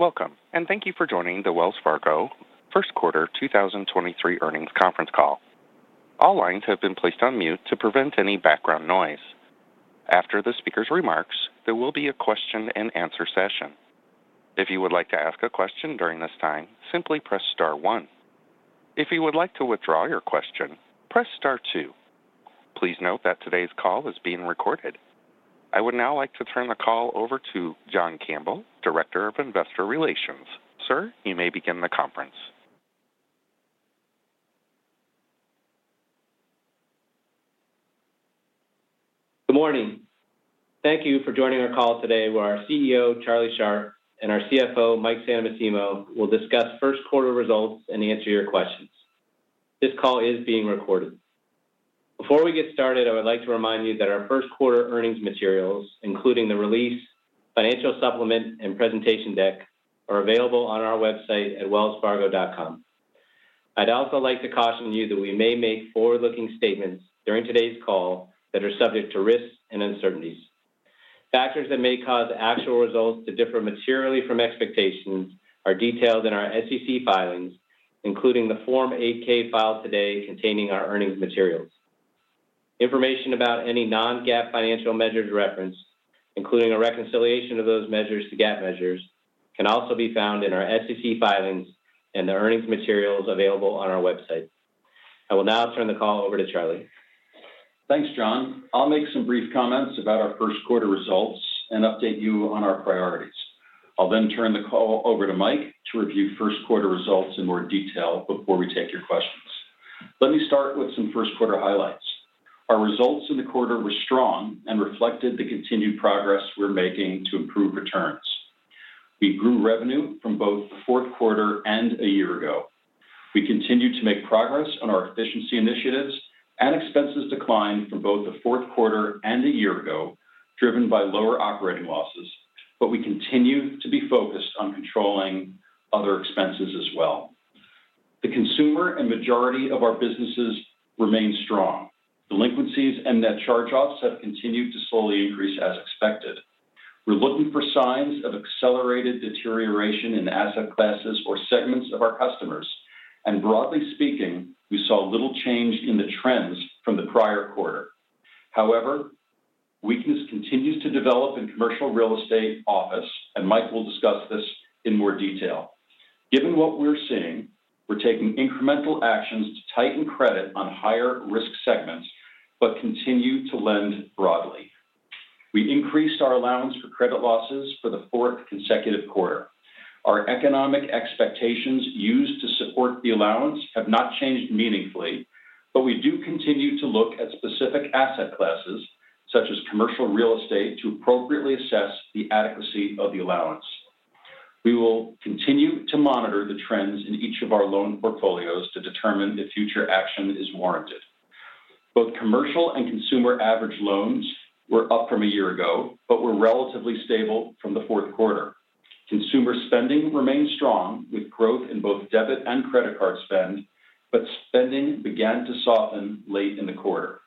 Welcome. Thank you for joining the Wells Fargo First Quarter 2023 Earnings Conference Call. All lines have been placed on mute to prevent any background noise. After the speaker's remarks, there will be a Q&A session. If you would like to ask a question during this time, simply press star one. If you would like to withdraw your question, press star two. Please note that today's call is being recorded. I would now like to turn the call over to John Campbell, Director of Investor Relations. Sir, you may begin the conference. Good morning. Thank you for joining our call today, where our CEO, Charlie Scharf, and our CFO, Mike Santomassimo, will discuss first quarter results and answer your questions. This call is being recorded. Before we get started, I would like to remind you that our first quarter earnings materials, including the release, financial supplement, and presentation deck, are available on our website at wellsfargo.com. I'd also like to caution you that we may make forward-looking statements during today's call that are subject to risks and uncertainties. Factors that may cause actual results to differ materially from expectations are detailed in our SEC filings, including the Form 8-K filed today containing our earnings materials. Information about any non-GAAP financial measures referenced, including a reconciliation of those measures to GAAP measures, can also be found in our SEC filings and the earnings materials available on our website. I will now turn the call over to Charlie. Thanks, John. I'll make some brief comments about our first quarter results and update you on our priorities. I'll turn the call over to Mike to review first quarter results in more detail before we take your questions. Let me start with some first quarter highlights. Our results in the quarter were strong and reflected the continued progress we're making to improve returns. We grew revenue from both the fourth quarter and a year ago. We continued to make progress on our efficiency initiatives, expenses declined from both the fourth quarter and a year ago, driven by lower operating losses, we continue to be focused on controlling other expenses as well. The consumer and majority of our businesses remain strong. Delinquencies and net charge-offs have continued to slowly increase as expected. We're looking for signs of accelerated deterioration in asset classes or segments of our customers. Broadly speaking, we saw little change in the trends from the prior quarter. However, weakness continues to develop in Commercial Real Estate office, and Mike will discuss this in more detail. Given what we're seeing, we're taking incremental actions to tighten credit on higher risk segments, but continue to lend broadly. We increased our allowance for credit losses for the fourth consecutive quarter. Our economic expectations used to support the allowance have not changed meaningfully, but we do continue to look at specific asset classes, such as Commercial Real Estate to appropriately assess the adequacy of the allowance. We will continue to monitor the trends in each of our loan portfolios to determine if future action is warranted. Both commercial and consumer average loans were up from a year ago, but were relatively stable from the fourth quarter. Consumer spending remained strong with growth in both debit and credit card spend, but spending began to soften late in the quarter.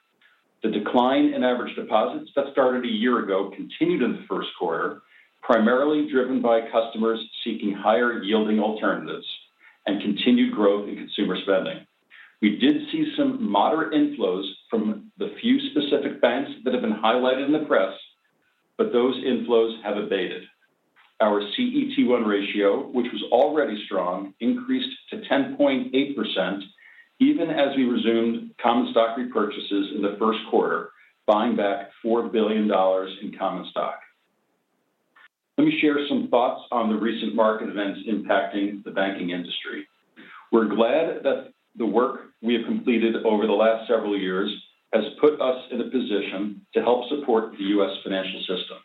The decline in average deposits that started a year ago continued in the first quarter, primarily driven by customers seeking higher yielding alternatives and continued growth in consumer spending. We did see some moderate inflows from the few specific banks that have been highlighted in the press, but those inflows have abated. Our CET1 ratio, which was already strong, increased to 10.8% even as we resumed common stock repurchases in the first quarter, buying back $4 billion in common stock. Let me share some thoughts on the recent market events impacting the banking industry. We're glad that the work we have completed over the last several years has put us in a position to help support the U.S. financial system.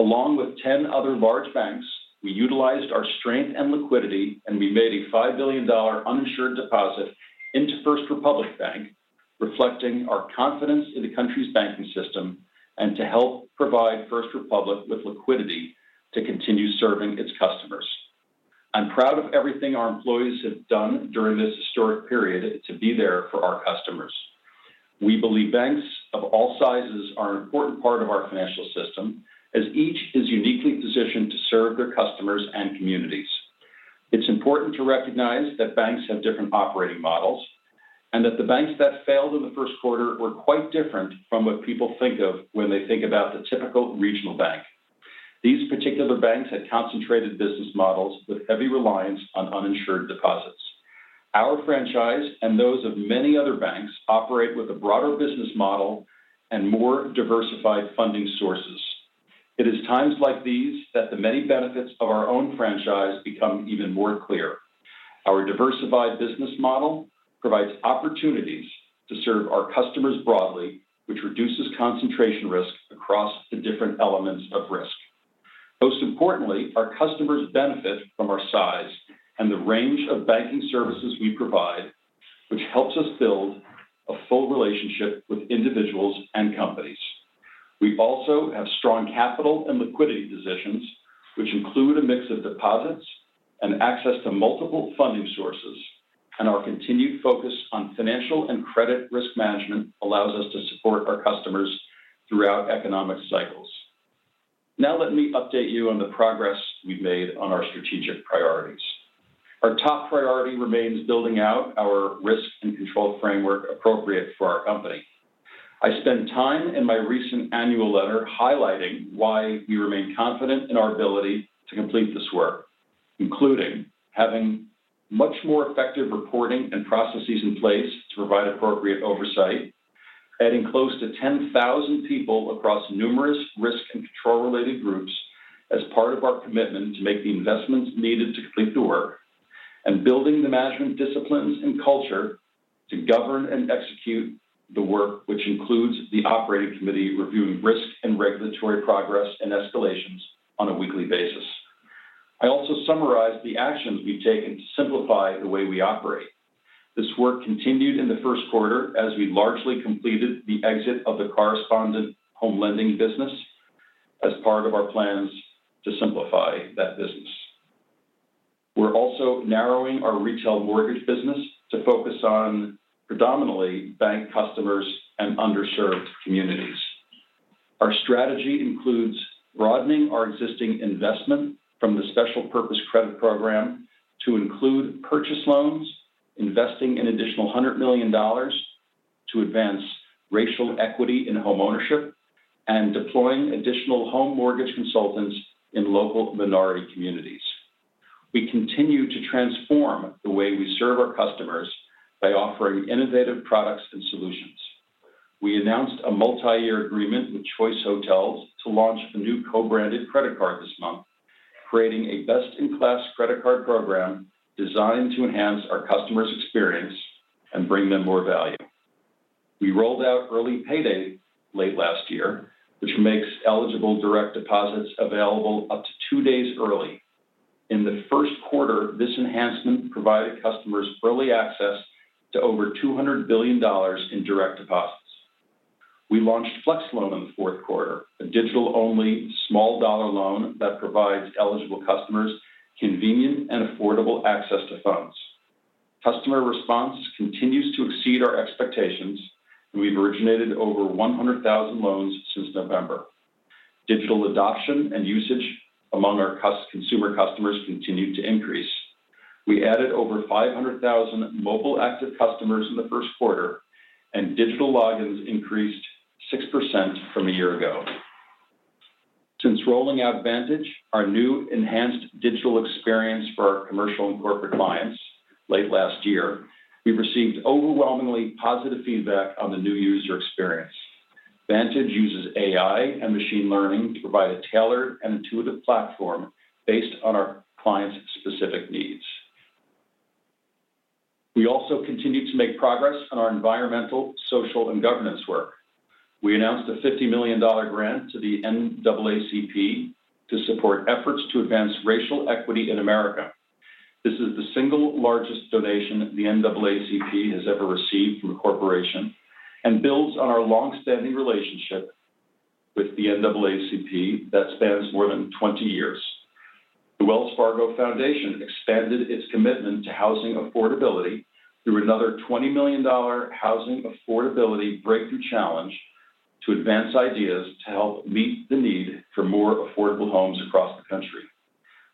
Along with 10 other large banks, we utilized our strength and liquidity, and we made a $5 billion uninsured deposit into First Republic Bank, reflecting our confidence in the country's banking system and to help provide First Republic with liquidity to continue serving its customers. I'm proud of everything our employees have done during this historic period to be there for our customers. We believe banks of all sizes are an important part of our financial system as each is uniquely positioned to serve their customers and communities. It's important to recognize that banks have different operating models, and that the banks that failed in the first quarter were quite different from what people think of when they think about the typical regional bank. These particular banks had concentrated business models with heavy reliance on uninsured deposits. Our franchise and those of many other banks operate with a broader business model and more diversified funding sources. It is times like these that the many benefits of our own franchise become even more clear. Our diversified business model provides opportunities to serve our customers broadly, which reduces concentration risk across the different elements of risk. Most importantly, our customers benefit from our size and the range of banking services we provide, which helps us build a full relationship with individuals and companies. We also have strong capital and liquidity positions, which include a mix of deposits and access to multiple funding sources. Our continued focus on financial and credit risk management allows us to support our customers throughout economic cycles. Now, let me update you on the progress we've made on our strategic priorities. Our top priority remains building out our risk and control framework appropriate for our company. I spent time in my recent annual letter highlighting why we remain confident in our ability to complete this work, including having much more effective reporting and processes in place to provide appropriate oversight, adding close to 10,000 people across numerous risk and control-related groups as part of our commitment to make the investments needed to complete the work, and building the management disciplines and culture to govern and execute the work, which includes the operating committee reviewing risk and regulatory progress and escalations on a weekly basis. I also summarized the actions we've taken to simplify the way we operate. This work continued in the first quarter as we largely completed the exit of the correspondent home lending business as part of our plans to simplify that business. We're also narrowing our retail mortgage business to focus on predominantly bank customers and underserved communities. Our strategy includes broadening our existing investment from the Special Purpose Credit Program to include purchase loans, investing an additional $100 million to advance racial equity in home-ownership, and deploying additional home mortgage consultants in local minority communities. We continue to transform the way we serve our customers by offering innovative products and solutions. We announced a multi-year agreement with Choice Hotels to launch a new co-branded credit card this month, creating a best-in-class credit card program designed to enhance our customers' experience and bring them more value. We rolled out Early Pay Day late last year, which makes eligible direct deposits available up to two days early. In the first quarter, this enhancement provided customers early access to over $200 billion in direct deposits. We launched Flex Loan in the fourth quarter, a digital-only small dollar loan that provides eligible customers convenient and affordable access to funds. Customer response continues to exceed our expectations, and we've originated over 100,000 loans since November. Digital adoption and usage among our consumer customers continued to increase. We added over 500,000 mobile active customers in the first quarter, and digital logins increased 6% from a year ago. Since rolling out Vantage, our new enhanced digital experience for our commercial and corporate clients late last year, we've received overwhelmingly positive feedback on the new user experience. Vantage uses AI and machine learning to provide a tailored and intuitive platform based on our clients' specific needs. We also continued to make progress on our environmental, social, and governance work. We announced a $50 million grant to the NAACP to support efforts to advance racial equity in America. This is the single largest donation the NAACP has ever received from a corporation and builds on our long-standing relationship with the NAACP that spans more than 20 years. The Wells Fargo Foundation expanded its commitment to housing affordability through another $20 million Housing Affordability Breakthrough Challenge to advance ideas to help meet the need for more affordable homes across the country.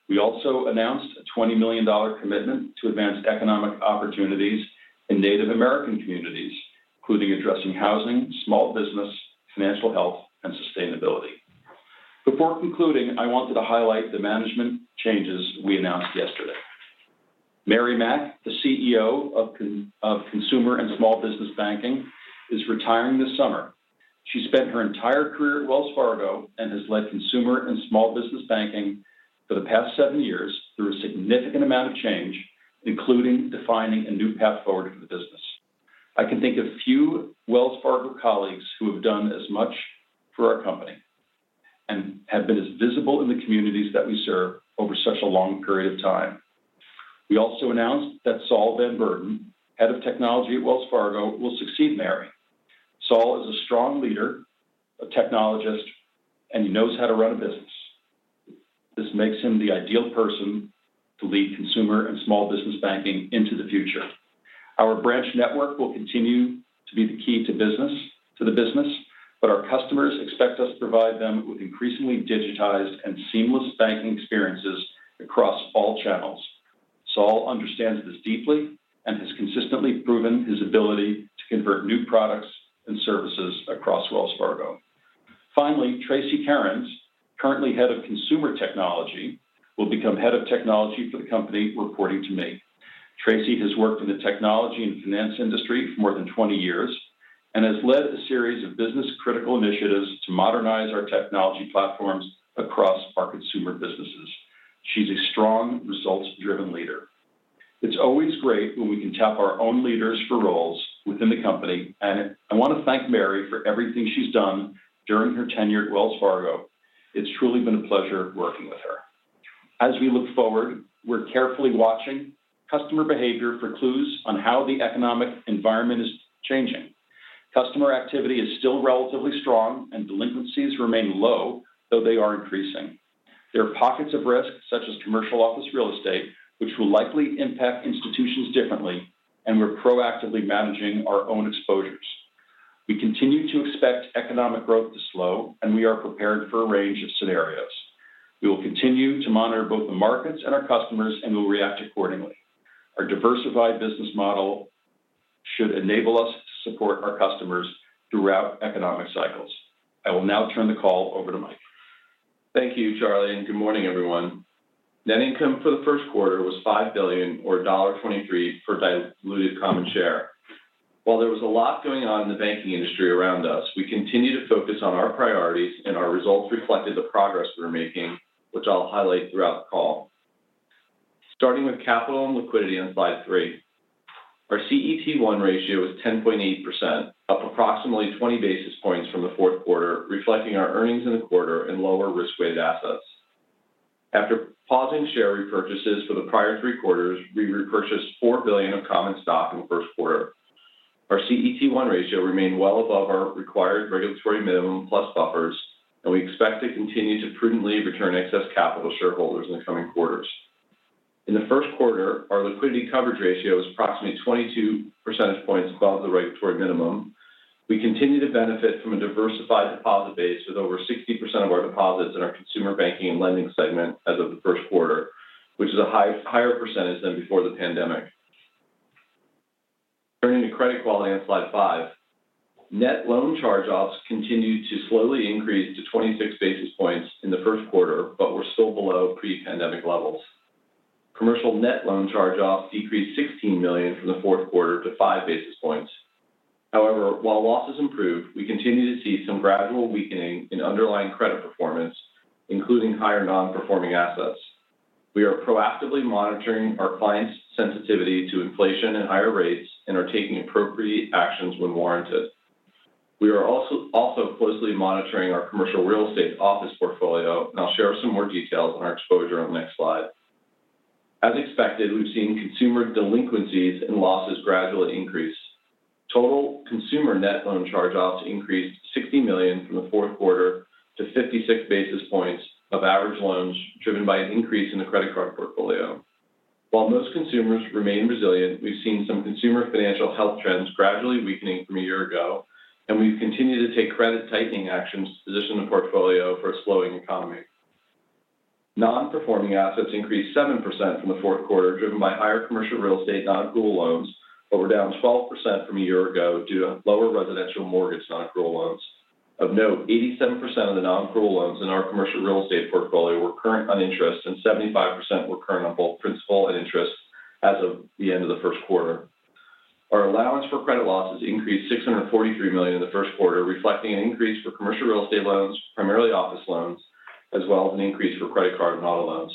We also announced a $20 million commitment to advance economic opportunities in Native American communities, including addressing housing, small business, financial health, and sustainability. Before concluding, I wanted to highlight the management changes we announced yesterday. Mary Mack, the CEO of Consumer and Small Business Banking, is retiring this summer. She spent her entire career at Wells Fargo and has led Consumer and Small Business Banking for the past seven years through a significant amount of change, including defining a new path forward for the business. I can think of few Wells Fargo colleagues who have done as much for our company and have been as visible in the communities that we serve over such a long period of time. We also announced that Saul Van Beurden, Head of Technology at Wells Fargo, will succeed Mary Mack. Saul is a strong leader, a technologist, and he knows how to run a business. This makes him the ideal person to lead Consumer and Small Business Banking into the future. Our branch network will continue to be the key to the business, but our customers expect us to provide them with increasingly digitized and seamless banking experiences across all channels. Saul understands this deeply and has consistently proven his ability to convert new products and services across Wells Fargo. Finally, Tracy Kerrins, currently Head of Consumer Technology, will become Head of Technology for the company, reporting to me. Tracy has worked in the technology and finance industry for more than 20 years and has led a series of business-critical initiatives to modernize our technology platforms across our consumer businesses. She's a strong, results-driven leader. It's always great when we can tap our own leaders for roles within the company, and I want to thank Mary for everything she's done during her tenure at Wells Fargo. It's truly been a pleasure working with her. As we look forward, we're carefully watching customer behavior for clues on how the economic environment is changing. Customer activity is still relatively strong and delinquencies remain low, though they are increasing. There are pockets of risk, such as commercial office real estate, which will likely impact institutions differently, and we're proactively managing our own exposures. We continue to expect economic growth to slow, and we are prepared for a range of scenarios. We will continue to monitor both the markets and our customers, and we'll react accordingly. Our diversified business model should enable us to support our customers throughout economic cycles. I will now turn the call over to Mike. Thank you, Charlie. Good morning, everyone. Net income for the first quarter was $5 billion or $1.23 per diluted common share. While there was a lot going on in the banking industry around us, we continue to focus on our priorities and our results reflected the progress we're making, which I'll highlight throughout the call. Starting with capital and liquidity on slide three, our CET1 ratio is 10.8%, up approximately 20 basis points from the fourth quarter, reflecting our earnings in the quarter and lower risk-weighted assets. After pausing share repurchases for the prior three quarters, we repurchased $4 billion of common stock in the first quarter. Our CET1 ratio remained well above our required regulatory minimum plus buffers, and we expect to continue to prudently return excess capital to shareholders in the coming quarters. In the first quarter, our liquidity coverage ratio was approximately 22 percentage points above the regulatory minimum. We continue to benefit from a diversified deposit base with over 60% of our deposits in our Consumer Banking and Lending segment as of the first quarter, which is a higher percentage than before the pandemic. Turning to credit quality on slide five, net loan charge-offs continued to slowly increase to 26 basis points in the first quarter, but we're still below pre-pandemic levels. Commercial net loan charge-offs decreased $16 million from the fourth quarter to 5 basis points. While losses improved, we continue to see some gradual weakening in underlying credit performance, including higher non-performing assets. We are proactively monitoring our clients' sensitivity to inflation and higher rates and are taking appropriate actions when warranted. We are also closely monitoring our Commercial Real Estate office portfolio. I'll share some more details on our exposure on the next slide. As expected, we've seen consumer delinquencies and losses gradually increase. Total consumer net loan charge-offs increased $60 million from the fourth quarter to 56 basis points of average loans driven by an increase in the credit card portfolio. While most consumers remain resilient, we've seen some consumer financial health trends gradually weakening from a year ago. We've continued to take credit tightening actions to position the portfolio for a slowing economy. Non-performing assets increased 7% from the fourth quarter, driven by higher commercial real estate non-accrual loans. We're down 12% from a year ago due to lower residential mortgage non-accrual loans. Of note, 87% of the non-accrual loans in our Commercial Real Estate portfolio were current on interest, and 75% were current on both principal and interest as of the end of the first quarter. Our allowance for credit losses increased $643 million in the first quarter, reflecting an increase for Commercial real estate loans, primarily office loans, as well as an increase for credit card and auto loans.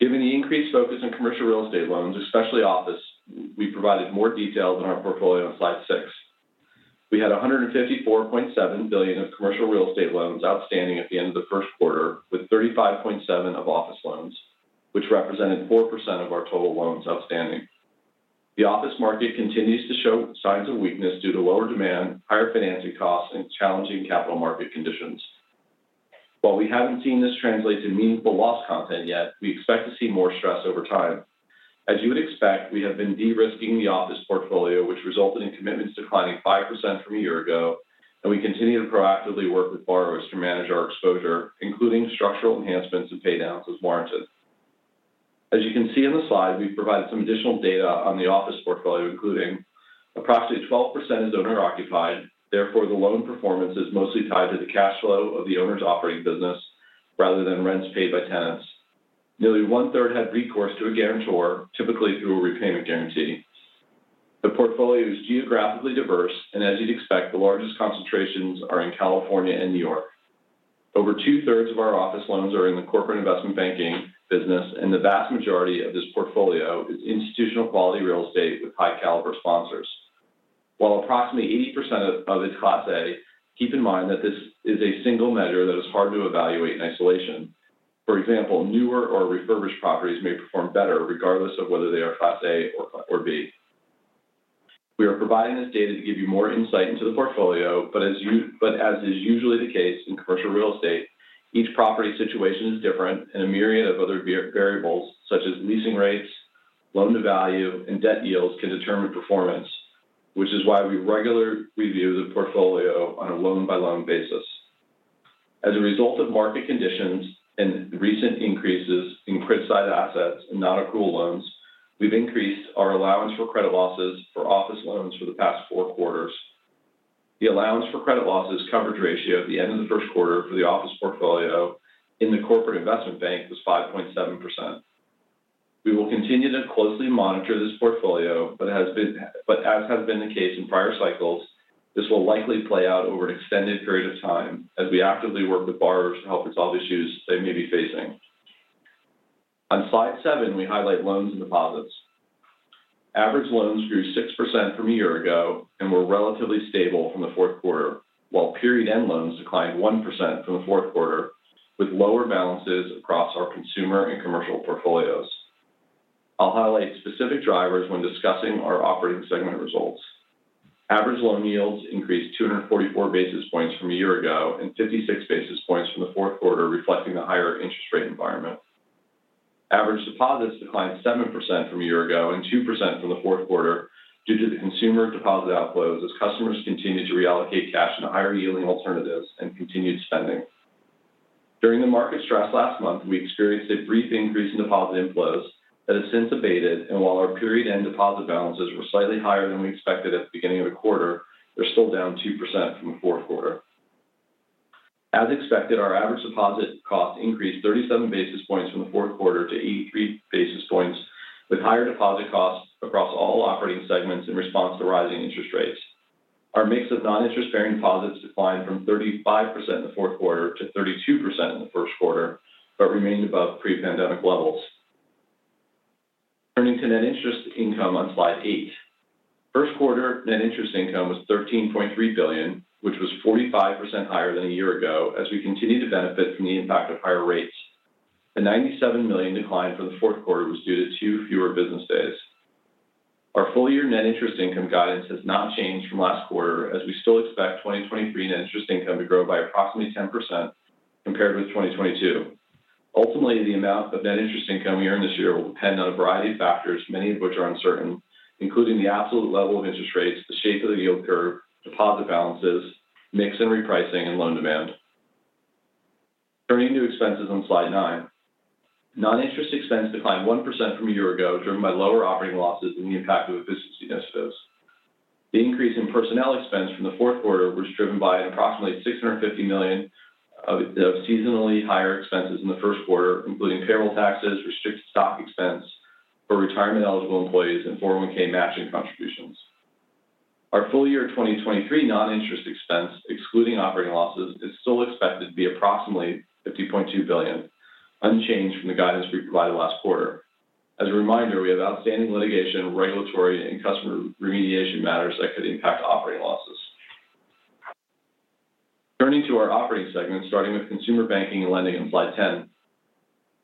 Given the increased focus on commercial real estate loans, especially office, we provided more details on our portfolio on slide 6. We had $154.7 billion of commercial real estate loans outstanding at the end of the first quarter, with $35.7 billion of office loans, which represented 4% of our total loans outstanding. The office market continues to show signs of weakness due to lower demand, higher financing costs, and challenging capital market conditions. While we haven't seen this translate to meaningful loss content yet, we expect to see more stress over time. As you would expect, we have been de-risking the office portfolio, which resulted in commitments declining 5% from a year ago, and we continue to proactively work with borrowers to manage our exposure, including structural enhancements and pay downs as warranted. As you can see in the slide, we've provided some additional data on the office portfolio, including approximately 12% is owner-occupied. Therefore, the loan performance is mostly tied to the cash flow of the owner's operating business rather than rents paid by tenants. Nearly 1/3 had recourse to a guarantor, typically through a repayment guarantee. The portfolio is geographically diverse, and as you'd expect, the largest concentrations are in California and New York. Over 2/3 of our office loans are in the Corporate & Investment Banking business, and the vast majority of this portfolio is institutional quality real estate with high caliber sponsors. While approximately 80% of it is Class A, keep in mind that this is a single measure that is hard to evaluate in isolation. For example, newer or refurbished properties may perform better regardless of whether they are Class A or Class B. We are providing this data to give you more insight into the portfolio, as is usually the case in Commercial Real Estate, each property situation is different, and a myriad of other variables such as leasing rates, loan to value, and debt yields can determine performance, which is why we regularly review the portfolio on a loan-by-loan basis. As a result of market conditions and recent increases in criticized assets and non-accrual loans, we've increased our allowance for credit losses for office loans for the past four quarters. The allowance for credit losses coverage ratio at the end of the first quarter for the office portfolio in the Corporate Investment Bank was 5.7%. We will continue to closely monitor this portfolio, but as has been the case in prior cycles, this will likely play out over an extended period of time as we actively work with borrowers to help resolve issues they may be facing. On slide seven, we highlight loans and deposits. Average loans grew 6% from a year ago and were relatively stable from the fourth quarter, while period end loans declined 1% from the fourth quarter, with lower balances across our consumer and commercial portfolios. I'll highlight specific drivers when discussing our operating segment results. Average loan yields increased 244 basis points from a year ago and 56 basis points from the fourth quarter, reflecting the higher interest rate environment. Average deposits declined 7% from a year ago and 2% from the fourth quarter due to the consumer deposit outflows as customers continued to reallocate cash into higher-yielding alternatives and continued spending. During the market stress last month, we experienced a brief increase in deposit inflows that has since abated. While our period-end deposit balances were slightly higher than we expected at the beginning of the quarter, they're still down 2% from the fourth quarter. As expected, our average deposit cost increased 37 basis points from the fourth quarter to 83 basis points, with higher deposit costs across all operating segments in response to rising interest rates. Our mix of noninterest-bearing deposits declined from 35% in the fourth quarter to 32% in the first quarter, but remained above pre-pandemic levels. Turning to net interest income on slide eight. First quarter net interest income was $13.3 billion, which was 45% higher than a year ago as we continue to benefit from the impact of higher rates. The $97 million decline from the fourth quarter was due to two fewer business days. Our full-year net interest income guidance has not changed from last quarter, as we still expect 2023 net interest income to grow by approximately 10% compared with 2022. Ultimately, the amount of net interest income we earn this year will depend on a variety of factors, many of which are uncertain, including the absolute level of interest rates, the shape of the yield curve, deposit balances, mix and repricing, and loan demand. Turning to expenses on slide nine. Non-interest expense declined 1% from a year ago, driven by lower operating losses and the impact of efficiency initiatives. The increase in personnel expense from the fourth quarter was driven by an approximately $650 million of seasonally higher expenses in the first quarter, including payroll taxes, restricted stock expense for retirement-eligible employees, and 401(k) matching contributions. Our full-year 2023 noninterest expense, excluding operating losses, is still expected to be approximately $50.2 billion, unchanged from the guidance we provided last quarter. As a reminder, we have outstanding litigation, regulatory, and customer remediation matters that could impact operating losses. Turning to our operating segments, starting with Consumer Banking and lending on slide 10.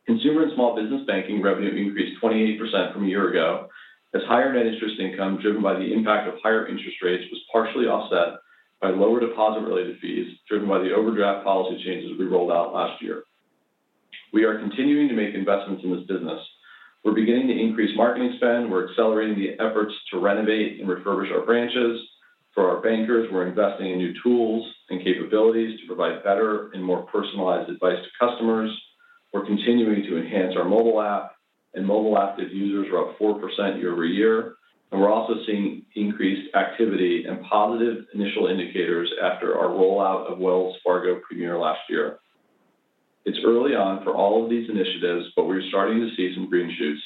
Consumer and Small Business Banking revenue increased 28% from a year ago, as higher net interest income driven by the impact of higher interest rates was partially offset by lower deposit-related fees driven by the overdraft policy changes we rolled out last year. We are continuing to make investments in this business. We're beginning to increase marketing spend. We're accelerating the efforts to renovate and refurbish our branches. For our bankers, we're investing in new tools and capabilities to provide better and more personalized advice to customers. We're continuing to enhance our mobile app, and mobile active users are up 4% year-over-year. We're also seeing increased activity and positive initial indicators after our rollout of Wells Fargo Premier last year. It's early on for all of these initiatives, but we're starting to see some green shoots.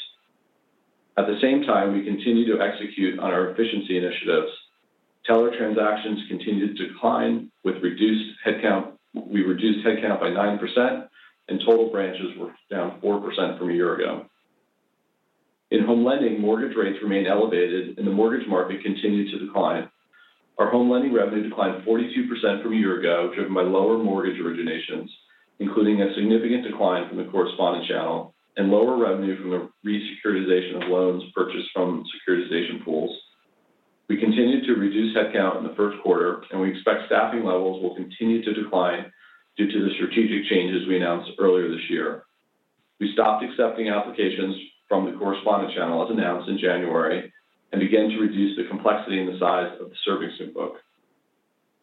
At the same time, we continue to execute on our efficiency initiatives. Teller transactions continue to decline with reduced headcount. We reduced headcount by 9%, and total branches were down 4% from a year ago. In home lending, mortgage rates remained elevated, and the mortgage market continued to decline. Our home lending revenue declined 42% from a year ago, driven by lower mortgage originations, including a significant decline from the corresponding channel and lower revenue from the re-securitization of loans purchased from securitization pools. We continued to reduce headcount in the first quarter, we expect staffing levels will continue to decline due to the strategic changes we announced earlier this year. We stopped accepting applications from the correspondent channel, as announced in January, began to reduce the complexity and the size of the servicing book.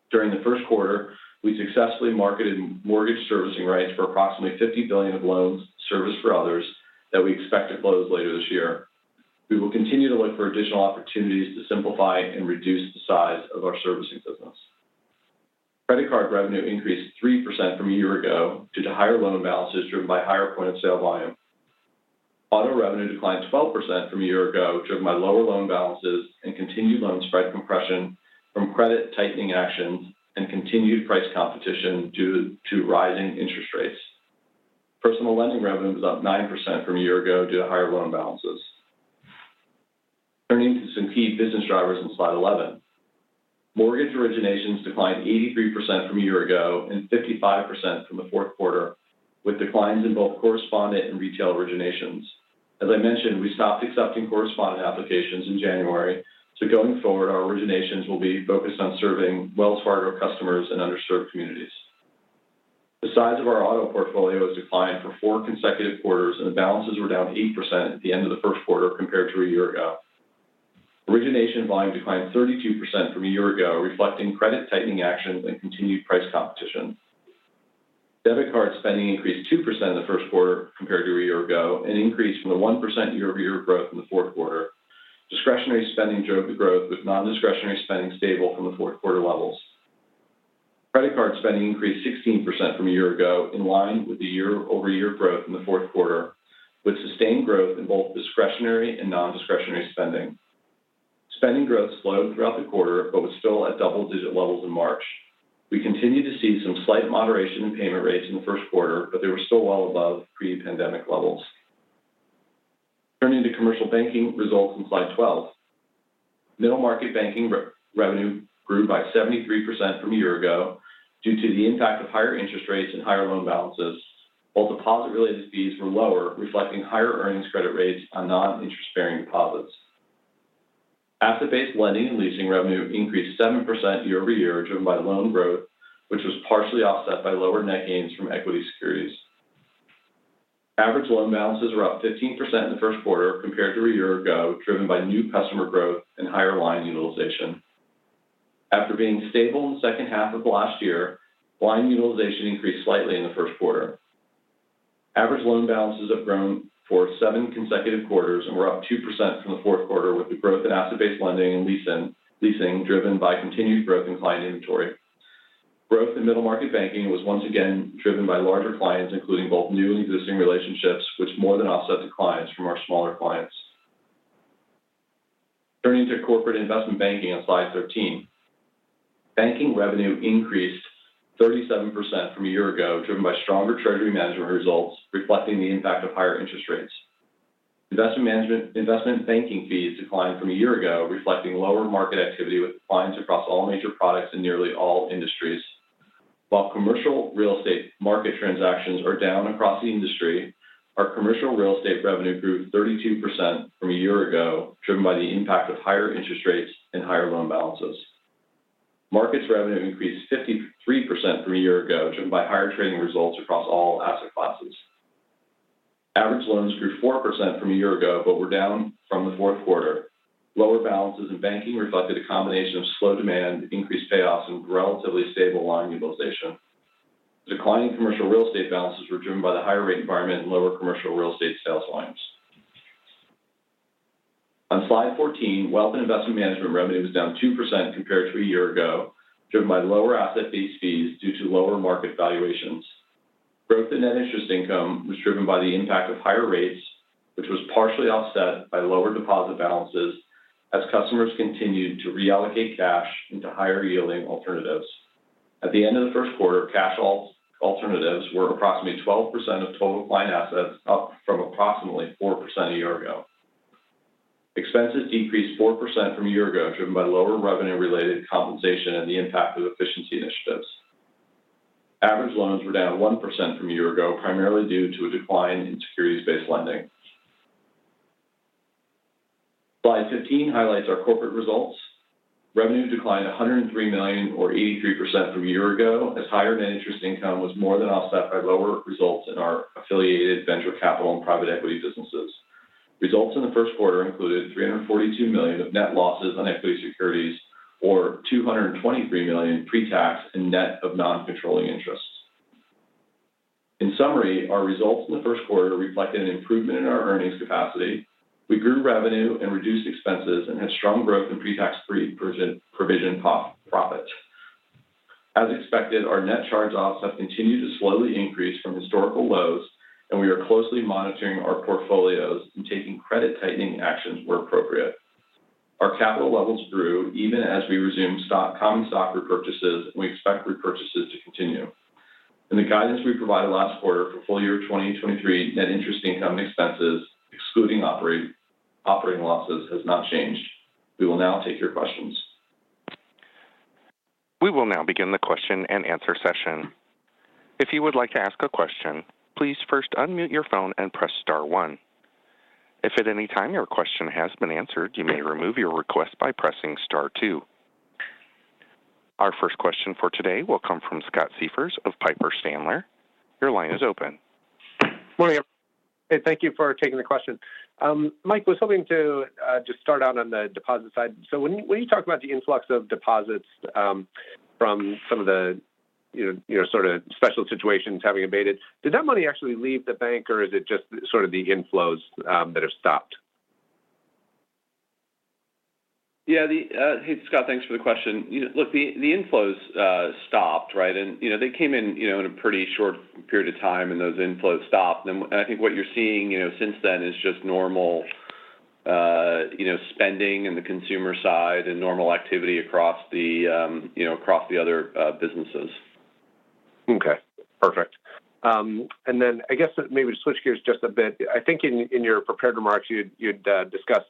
During the first quarter, we successfully marketed mortgage servicing rights for approximately $50 billion of loans serviced for others that we expect to close later this year. We will continue to look for additional opportunities to simplify and reduce the size of our servicing business. Credit card revenue increased 3% from a year ago due to higher loan balances driven by higher point-of-sale volume. Auto revenue declined 12% from a year ago, driven by lower loan balances and continued loan spread compression from credit tightening actions and continued price competition due to rising interest rates. Personal lending revenue was up 9% from a year ago due to higher loan balances. Turning to some key business drivers on slide 11. Mortgage originations declined 83% from a year ago and 55% from the fourth quarter, with declines in both correspondent and retail originations. As I mentioned, we stopped accepting correspondent applications in January, so going forward, our originations will be focused on serving Wells Fargo customers and underserved communities. The size of our auto portfolio has declined for four consecutive quarters, and the balances were down 8% at the end of the first quarter compared to a year ago. Origination volume declined 32% from a year ago, reflecting credit tightening actions and continued price competition. Debit card spending increased 2% in the first quarter compared to a year ago, an increase from the 1% year-over-year growth in the fourth quarter. Discretionary spending drove the growth, with nondiscretionary spending stable from the fourth quarter levels. Credit card spending increased 16% from a year ago, in line with the year-over-year growth in the fourth quarter, with sustained growth in both discretionary and nondiscretionary spending. Spending growth slowed throughout the quarter but was still at double-digit levels in March. We continued to see some slight moderation in payment rates in the first quarter, but they were still well above pre-pandemic levels. Turning to commercial banking results on slide 12. Middle market banking revenue grew by 73% from a year-ago due to the impact of higher interest rates and higher loan balances. All deposit related fees were lower, reflecting higher earnings credit rates on noninterest-bearing deposits. Asset-based lending and leasing revenue increased 7% year-over-year, driven by loan growth, which was partially offset by lower net gains from equity securities. Average loan balances were up 15% in the first quarter compared to a year-ago, driven by new customer growth and higher line utilization. After being stable in the second half of last year, line utilization increased slightly in the first quarter. Average loan balances have grown for seven consecutive quarters and were up 2% from the fourth quarter with the growth in asset-based lending and leasing driven by continued growth in client inventory. Growth in middle market banking was once again driven by larger clients, including both new and existing relationships, which more than offset declines from our smaller clients. Turning to Corporate & Investment Banking on slide 13. Banking revenue increased 37% from a year ago, driven by stronger treasury management results reflecting the impact of higher interest rates. Investment banking fees declined from a year ago, reflecting lower market activity with declines across all major products in nearly all industries. While commercial real estate market transactions are down across the industry, our commercial real estate revenue grew 32% from a year ago, driven by the impact of higher interest rates and higher loan balances. Markets revenue increased 53% from a year ago, driven by higher trading results across all asset classes. Average loans grew 4% from a year ago, were down from the fourth quarter. Lower balances in banking reflected a combination of slow demand, increased payoffs, and relatively stable line utilization. Declining commercial real estate balances were driven by the higher rate environment and lower commercial real estate sales volumes. On slide 14, Wealth and Investment Management revenue was down 2% compared to a year ago, driven by lower asset-based fees due to lower market valuations. Growth in net interest income was driven by the impact of higher rates, which was partially offset by lower deposit balances as customers continued to reallocate cash into higher yielding alternatives. At the end of the first quarter, cash alts, alternatives were approximately 12% of total client assets, up from approximately 4% a year ago. Expenses decreased 4% from a year ago, driven by lower revenue related compensation and the impact of efficiency initiatives. Average loans were down 1% from a year ago, primarily due to a decline in securities-based lending. Slide 15 highlights our corporate results. Revenue declined $103 million or 83% from a year ago as higher net interest income was more than offset by lower results in our affiliated venture capital and private equity businesses. Results in the first quarter included $342 million of net losses on equity securities or $223 million pre-tax and net of non-controlling interests. In summary, our results in the first quarter reflected an improvement in our earnings capacity. We grew revenue and reduced expenses and had strong growth in pre-tax pre-provision profit. As expected, our net charge-offs have continued to slowly increase from historical lows, and we are closely monitoring our portfolios and taking credit tightening actions where appropriate. Our capital levels grew even as we resumed common stock repurchases, and we expect repurchases to continue. In the guidance we provided last quarter for full year 2023 net interest income expenses excluding operating losses has not changed. We will now take your questions. We will now begin the Q&A session. If you would like to ask a question, please first unmute your phone and press star one. If at any time your question has been answered, you may remove your request by pressing star two. Our first question for today will come from Scott Siefers of Piper Sandler. Your line is open. Morning, everyone. Thank you for taking the question. Mike, was hoping to just start out on the deposit side. When you talk about the influx of deposits, from some of the, you know, sort of special situations having abated, did that money actually leave the bank or is it just sort of the inflows that have stopped? Yeah. The... Hey, Scott. Thanks for the question. You know, look, the inflows stopped, right? You know, they came in, you know, in a pretty short period of time those inflows stopped. I think what you're seeing, you know, since then is just normal, you know, spending in the consumer side normal activity across the, you know, across the other, businesses. Okay, perfect. I guess maybe to switch gears just a bit. I think in your prepared remarks, you had discussed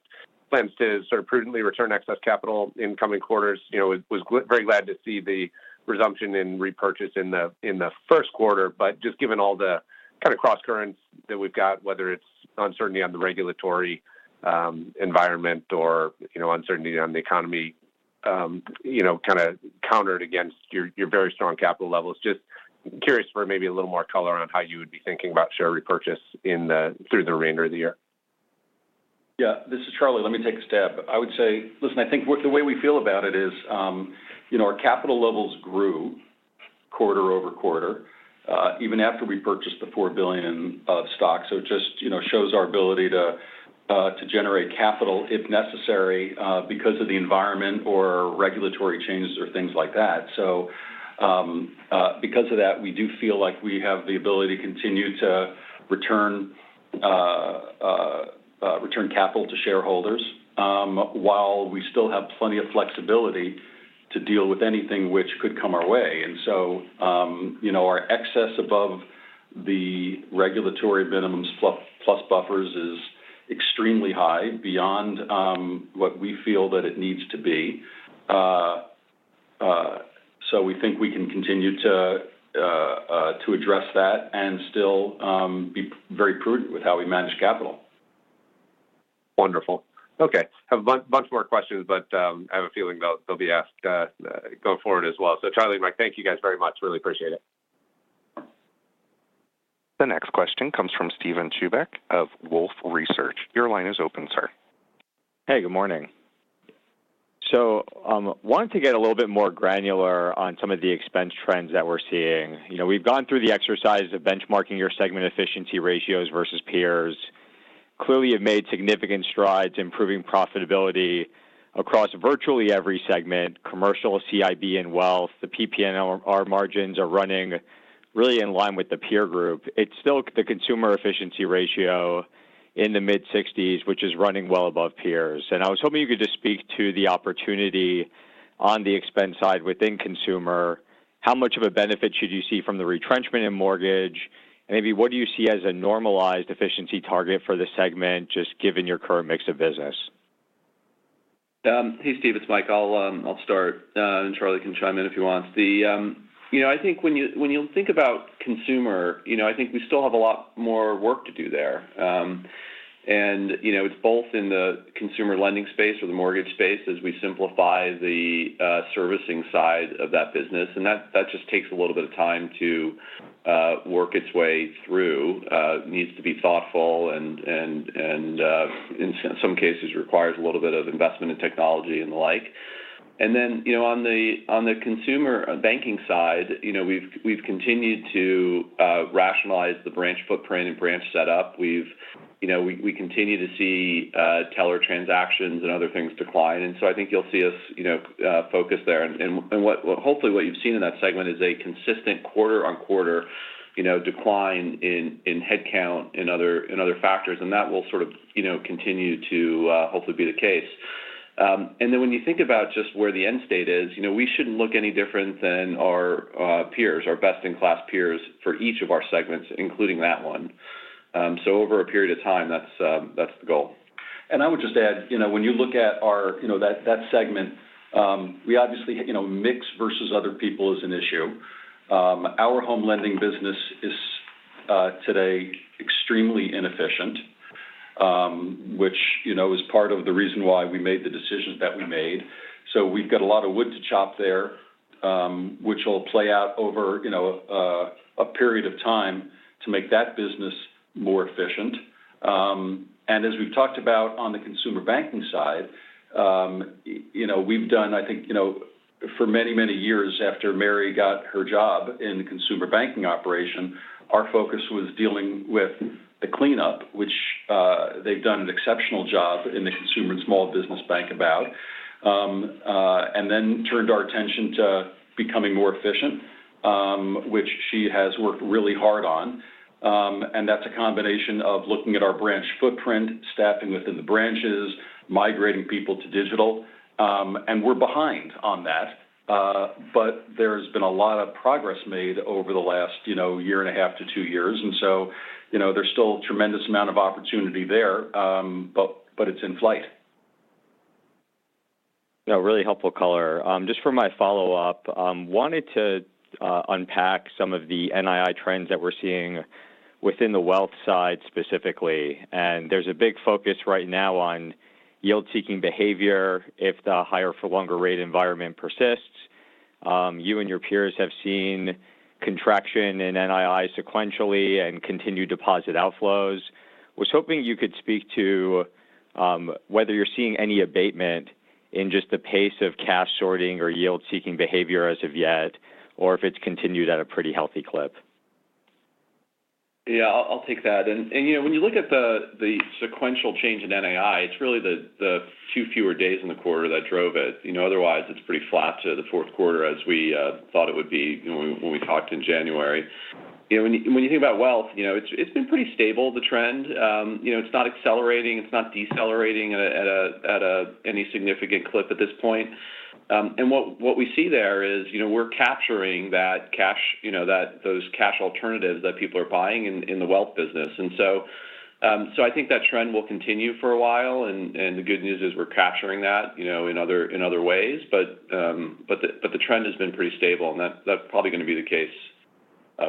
plans to sort of prudently return excess capital in coming quarters. You know, was very glad to see the resumption in repurchase in the first quarter. Just given all the kind of crosscurrents that we've got, whether it's uncertainty on the regulatory environment or, you know, uncertainty on the economy, you know, kind of countered against your very strong capital levels. Just curious for maybe a little more color around how you would be thinking about share repurchase through the remainder of the year? Yeah. This is Charlie. Let me take a stab. I would say. Listen, I think the way we feel about it is, you know, our capital levels grew quarter-over-quarter, even after we purchased the $4 billion of stock. It just, you know, shows our ability to generate capital if necessary, because of the environment or regulatory changes or things like that. Because of that, we do feel like we have the ability to continue to return capital to shareholders, while we still have plenty of flexibility to deal with anything which could come our way. You know, our excess above The regulatory minimums plus buffers is extremely high beyond what we feel that it needs to be. We think we can continue to address that and still be very prudent with how we manage capital. Wonderful. Okay. Have a bunch more questions, but I have a feeling they'll be asked going forward as well. Charlie, Mike, thank you guys very much. Really appreciate it. The next question comes from Steven Chubak of Wolfe Research. Your line is open, sir. Hey, good morning. Wanted to get a little bit more granular on some of the expense trends that we're seeing. You know, we've gone through the exercise of benchmarking your segment efficiency ratios versus peers. Clearly, you've made significant strides improving profitability across virtually every segment, commercial CIB and wealth. The PPNR margins are running really in line with the peer group. It's still the Consumer efficiency ratio in the mid-sixties, which is running well above peers. I was hoping you could just speak to the opportunity on the expense side within Consumer. How much of a benefit should you see from the retrenchment in mortgage? Maybe what do you see as a normalized efficiency target for the segment, just given your current mix of business? Hey, Steve. It's Mike. I'll start. Charlie can chime in if he wants. The, you know, I think when you think about consumer, you know, I think we still have a lot more work to do there. You know, it's both in the consumer lending space or the mortgage space as we simplify the servicing side of that business. That just takes a little bit of time to work its way through. It needs to be thoughtful and, in some cases requires a little bit of investment in technology and the like. Then, you know, on the Consumer Banking side, you know, we've continued to rationalize the branch footprint and branch setup. We've, you know, we continue to see teller transactions and other things decline. I think you'll see us, you know, focus there. Hopefully what you've seen in that segment is a consistent quarter-on-quarter, you know, decline in headcount and other factors, and that will sort of, you know, continue to hopefully be the case. When you think about just where the end state is, you know, we shouldn't look any different than our peers, our best-in-class peers for each of our segments, including that one. Over a period of time, that's the goal. I would just add, you know, when you look at our, you know, that segment, we obviously, you know, mix versus other people is an issue. Our home lending business is today extremely inefficient, which, you know, is part of the reason why we made the decisions that we made. We've got a lot of wood to chop there, which will play out over, you know, a period of time to make that business more efficient. As we've talked about on the Consumer Banking side, you know, we've done, I think, you know, for many, many years after Mary got her job in Consumer Banking operation, our focus was dealing with the cleanup, which they've done an exceptional job in the Consumer & Small Business Banking about. Then turned our attention to becoming more efficient, which she has worked really hard on. That's a combination of looking at our branch footprint, staffing within the branches, migrating people to digital. We're behind on that. There's been a lot of progress made over the last, you know, year and a half to two years. You know, there's still a tremendous amount of opportunity there, but it's in flight. No, really helpful color. Just for my follow-up, wanted to unpack some of the NII trends that we're seeing within the wealth side specifically. There's a big focus right now on yield-seeking behavior if the higher for longer rate environment persists. You and your peers have seen contraction in NII sequentially and continued deposit outflows. Was hoping you could speak to whether you're seeing any abatement in just the pace of cash sorting or yield-seeking behavior as of yet or if it's continued at a pretty healthy clip? Yeah, I'll take that. You know, when you look at the sequential change in NII, it's really the two fewer days in the quarter that drove it. You know, otherwise, it's pretty flat to the fourth quarter as we thought it would be when we talked in January. You know, when you think about wealth, you know, it's been pretty stable, the trend. You know, it's not accelerating. It's not decelerating at any significant clip at this point. What we see there is, you know, we're capturing that cash, you know, those cash alternatives that people are buying in the wealth business. I think that trend will continue for a while. The good news is we're capturing that, you know, in other ways. The trend has been pretty stable, and that's probably going to be the case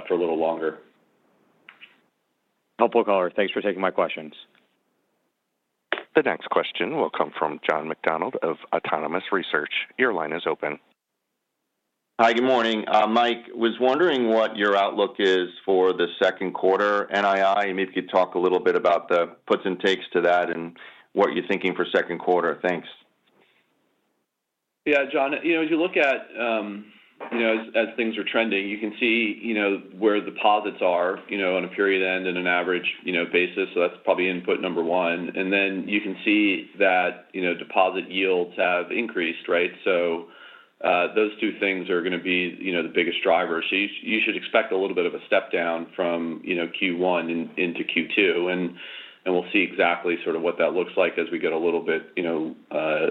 for a little longer. Helpful color. Thanks for taking my questions. The next question will come from John McDonald of Autonomous Research. Your line is open. Hi, good morning. Mike, was wondering what your outlook is for the second quarter NII? Maybe if you could talk a little bit about the puts and takes to that and what you're thinking for second quarter? Thanks. Yeah, John. You know, as you look at, you know, as things are trending, you can see, you know, where deposits are, you know, on a period end and an average, you know, basis. That's probably input number 1. You can see that, you know, deposit yields have increased, right? Those two things are going to be, you know, the biggest driver. You should expect a little bit of a step down from, you know, Q1 into Q2. We'll see exactly sort of what that looks like as we get a little bit, you know,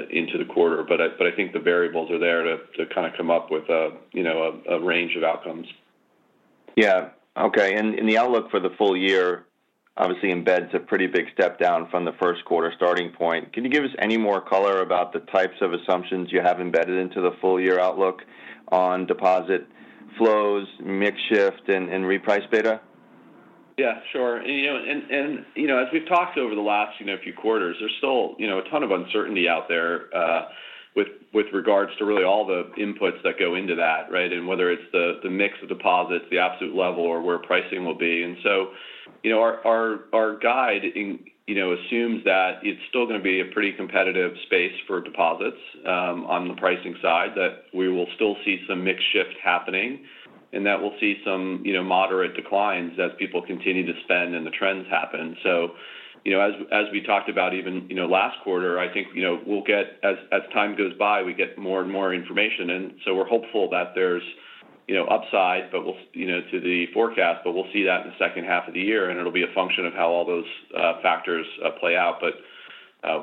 into the quarter. I think the variables are there to kind of come up with a, you know, a range of outcomes. Yeah. Okay. The outlook for the full year obviously embeds a pretty big step down from the first quarter starting point. Can you give us any more color about the types of assumptions you have embedded into the full year outlook on deposit flows, mix shift, and reprice beta? Yeah. Sure. You know, and, you know, as we've talked over the last, you know, few quarters, there's still, you know, a ton of uncertainty out there, with regards to really all the inputs that go into that, right? Whether it's the mix of deposits, the absolute level, or where pricing will be. You know, our guide in... you know, assumes that it's still gonna be a pretty competitive space for deposits, on the pricing side, that we will still see some mix shift happening, and that we'll see some, you know, moderate declines as people continue to spend and the trends happen. You know, as we talked about even, you know, last quarter, I think, you know, we'll get as time goes by, we get more and more information. We're hopeful that there's, you know, upside, but you know, to the forecast, but we'll see that in the second half of the year, and it'll be a function of how all those factors play out.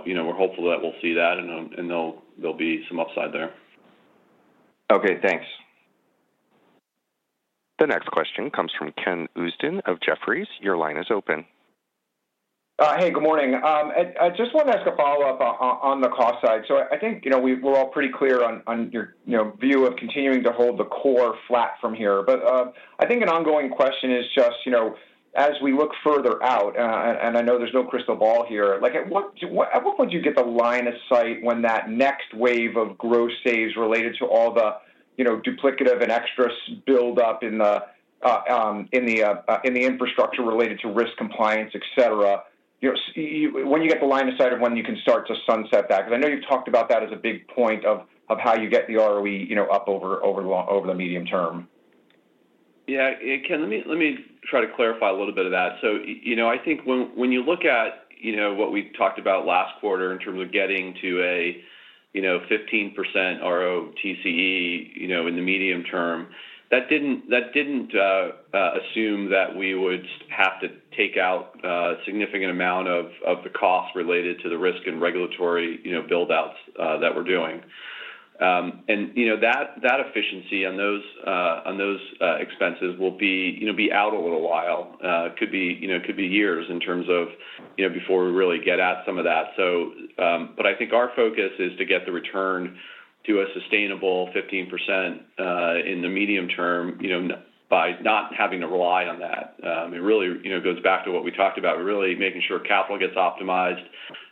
You know, we're hopeful that we'll see that and there'll be some upside there. Okay, thanks. The next question comes from Ken Usdin of Jefferies. Your line is open. Hey, good morning. I just wanted to ask a follow-up on the cost side. I think, you know, we're all pretty clear on your, you know, view of continuing to hold the core flat from here. I think an ongoing question is just, you know, as we look further out, and I know there's no crystal ball here, like at what point do you get the line of sight when that next wave of gross saves related to all the, you know, duplicative and extra buildup in the infrastructure related to risk compliance, et cetera. You know, when you get the line of sight of when you can start to sunset that. I know you've talked about that as a big point of how you get the ROE, you know, up over the long, over the medium term. Yeah. Ken, let me try to clarify a little bit of that. you know, I think when you look at, you know, what we talked about last quarter in terms of getting to a, you know, 15% ROTCE, you know, in the medium term, that didn't assume that we would have to take out a significant amount of the cost related to the risk and regulatory, you know, build outs that we're doing. you know, that efficiency on those expenses will be, you know, be out a little while. Could be, you know, could be years in terms of, you know, before we really get at some of that. But I think our focus is to get the return to a sustainable 15% in the medium term, you know, by not having to rely on that. It really, you know, goes back to what we talked about, really making sure capital gets optimized,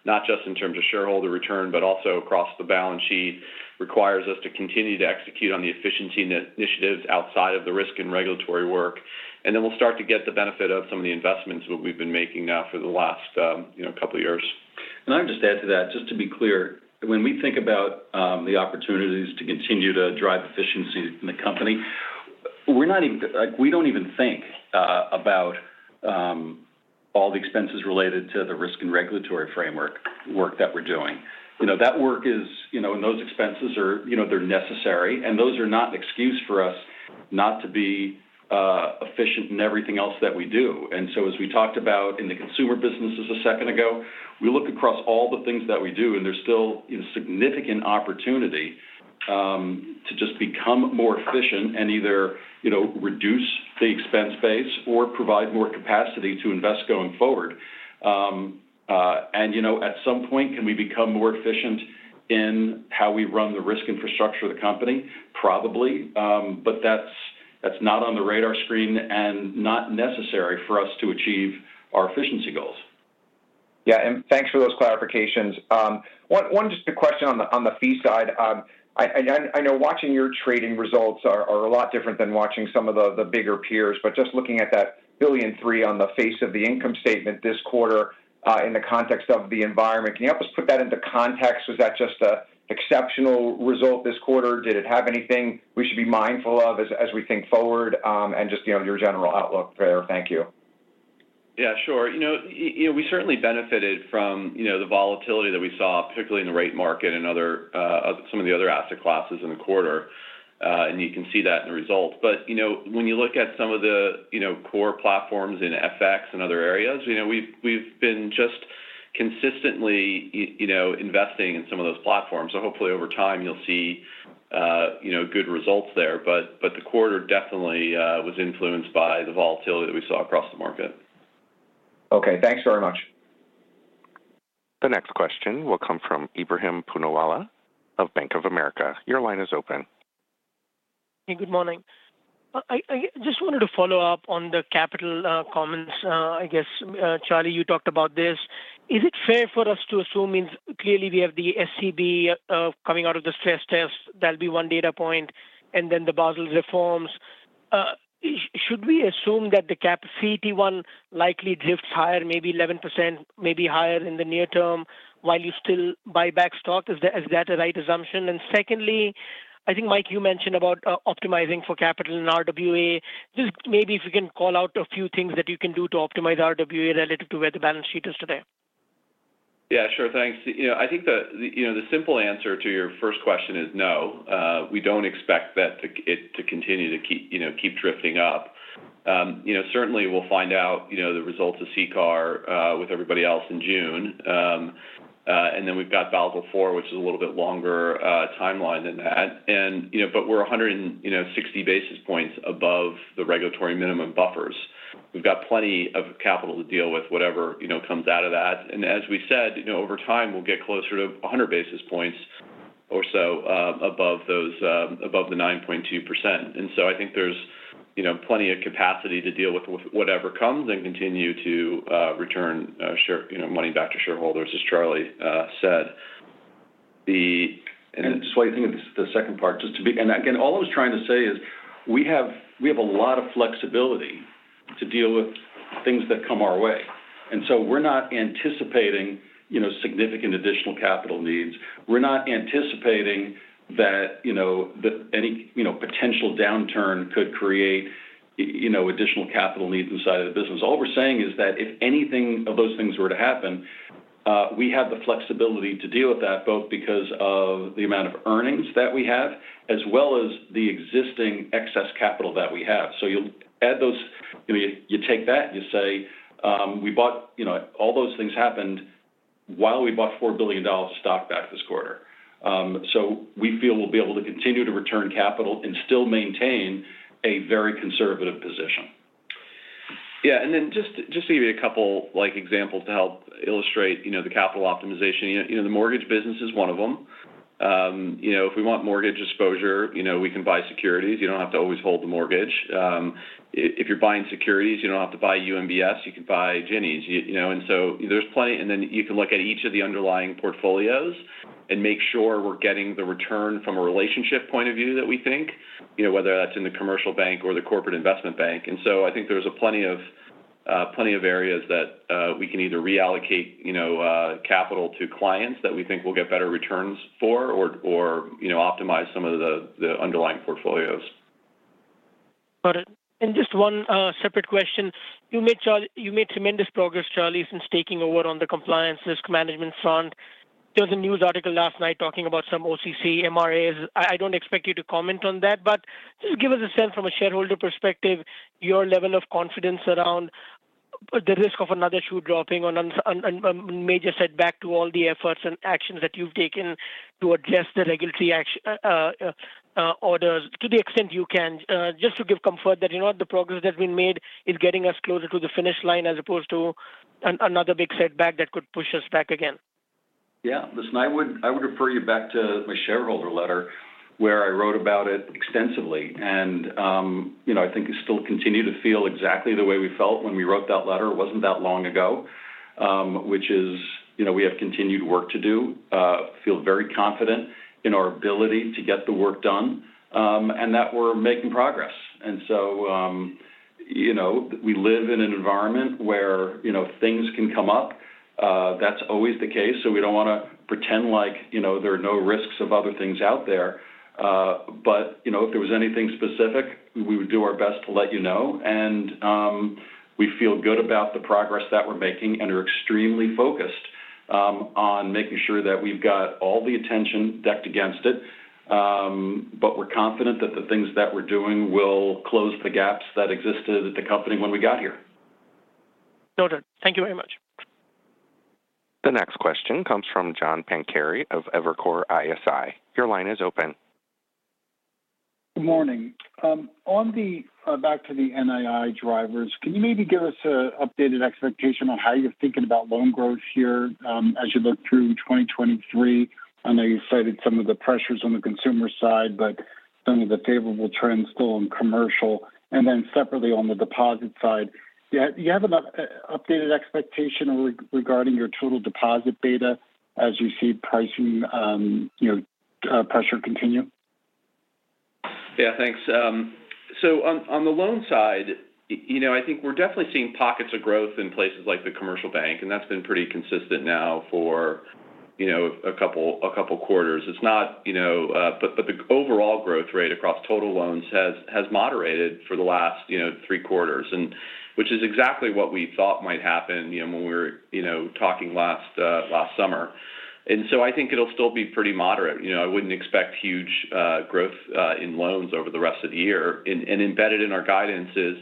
not just in terms of shareholder return, but also across the balance sheet, requires us to continue to execute on the efficiency initiatives outside of the risk and regulatory work. Then we'll start to get the benefit of some of the investments that we've been making now for the last, you know, couple of years. I'll just add to that, just to be clear. When we think about the opportunities to continue to drive efficiency in the company, like, we don't even think about all the expenses related to the risk and regulatory framework work that we're doing. You know, that work is, you know, and those expenses are, you know, they're necessary, and those are not an excuse for us not to be efficient in everything else that we do. As we talked about in the consumer businesses a second ago, we look across all the things that we do, and there's still significant opportunity to just become more efficient and either, you know, reduce the expense base or provide more capacity to invest going forward. You know, at some point, can we become more efficient in how we run the risk infrastructure of the company? Probably. That's, that's not on the radar screen and not necessary for us to achieve our efficiency goals. Yeah. Thanks for those clarifications. One just a question on the fee side. I know watching your trading results are a lot different than watching some of the bigger peers. Just looking at that $1.3 billion on the face of the income statement this quarter, in the context of the environment, can you help us put that into context? Was that just an exceptional result this quarter? Did it have anything we should be mindful of as we think forward? Just, you know, your general outlook there. Thank you. Yeah, sure. You know, we certainly benefited from, you know, the volatility that we saw, particularly in the rate market and other some of the other asset classes in the quarter. You can see that in the results. You know, when you look at some of the, you know, core platforms in FX and other areas, you know, we've been just consistently investing in some of those platforms. Hopefully over time you'll see, you know, good results there. The quarter definitely was influenced by the volatility that we saw across the market. Okay, thanks very much. The next question will come from Ebrahim Poonawala of Bank of America. Your line is open. Hey, good morning. I just wanted to follow up on the capital comments. I guess Charlie, you talked about this. Is it fair for us to assume it's clearly we have the SCB coming out of the stress test, that'll be one data point, and then the Basel reforms. Should we assume that the CET1 likely drifts higher, maybe 11%, maybe higher in the near term while you still buy back stock? Is that the right assumption? Secondly, I think Mike, you mentioned about optimizing for capital in RWA. Just maybe if you can call out a few things that you can do to optimize RWA relative to where the balance sheet is today. Yeah, sure. Thanks. You know, I think the, you know, the simple answer to your first question is no. We don't expect that to continue to keep, you know, keep drifting up. You know, certainly we'll find out, you know, the results of CCAR with everybody else in June. Then we've got Basel IV, which is a little bit longer timeline than that. You know, but we're 160 basis points above the regulatory minimum buffers. We've got plenty of capital to deal with whatever, you know, comes out of that. As we said, you know, over time, we'll get closer to 100 basis points or so above those above the 9.2%. I think there's, you know, plenty of capacity to deal with whatever comes and continue to return, share, you know, money back to shareholders, as Charlie said. Just while you're thinking, the second part, just to be... Again, all I was trying to say is we have a lot of flexibility to deal with things that come our way. We're not anticipating, you know, significant additional capital needs. We're not anticipating that, you know, that any, you know, potential downturn could create, you know, additional capital needs inside of the business. All we're saying is that if anything of those things were to happen, we have the flexibility to deal with that, both because of the amount of earnings that we have, as well as the existing excess capital that we have. You'll add those... I mean, you take that and you say, we bought, you know, all those things happened while we bought $4 billion of stock back this quarter. We feel we'll be able to continue to return capital and still maintain a very conservative position. Yeah. Just to give you a couple like, examples to help illustrate, you know, the capital optimization. You know, the Mortgage business is one of them. You know, if we want mortgage exposure, you know, we can buy securities. You don't have to always hold the Mortgage. If you're buying securities, you don't have to buy UMBS, you can buy Ginnies. You know, there's plenty, and then you can look at each of the underlying portfolios and make sure we're getting the return from a relationship point of view that we think, you know, whether that's in the Commercial Bank or the Corporate & Investment Banking. I think there's a plenty of plenty of areas that we can either reallocate, you know, capital to clients that we think will get better returns for or, you know, optimize some of the underlying portfolios. Got it. Just one separate question. You made tremendous progress, Charlie, since taking over on the compliance risk management front. There was a news article last night talking about some OCC MRAs. I don't expect you to comment on that, but just give us a sense from a shareholder perspective, your level of confidence around the risk of another shoe dropping on a major setback to all the efforts and actions that you've taken to address the regulatory orders to the extent you can. Just to give comfort that you know what, the progress that's been made is getting us closer to the finish line as opposed to another big setback that could push us back again. Yeah. Listen, I would refer you back to my shareholder letter where I wrote about it extensively. You know, I think I still continue to feel exactly the way we felt when we wrote that letter. It wasn't that long ago. Which is, you know, we have continued work to do, feel very confident in our ability to get the work done, and that we're making progress. You know, we live in an environment where, you know, things can come up. That's always the case. We don't want to pretend like, you know, there are no risks of other things out there. You know, if there was anything specific, we would do our best to let you know. We feel good about the progress that we're making and are extremely focused, on making sure that we've got all the attention decked against it. We're confident that the things that we're doing will close the gaps that existed at the company when we got here. Noted. Thank you very much. The next question comes from John Pancari of Evercore ISI. Your line is open. Good morning. On the back to the NII drivers, can you maybe give us a updated expectation on how you're thinking about loan growth here, as you look through 2023? I know you cited some of the pressures on the consumer side, but some of the favorable trends still in commercial. Separately on the deposit side, do you have an updated expectation regarding your total deposit beta as you see pricing, you know, pressure continue? Yeah, thanks. On the loan side, you know, I think we're definitely seeing pockets of growth in places like the Commercial Bank, that's been pretty consistent now for, you know, a couple quarters. It's not, you know, but the overall growth rate across total loans has moderated for the last, you know, three quarters which is exactly what we thought might happen, you know, when we were, you know, talking last summer. I think it'll still be pretty moderate. You know, I wouldn't expect huge growth in loans over the rest of the year. Embedded in our guidance is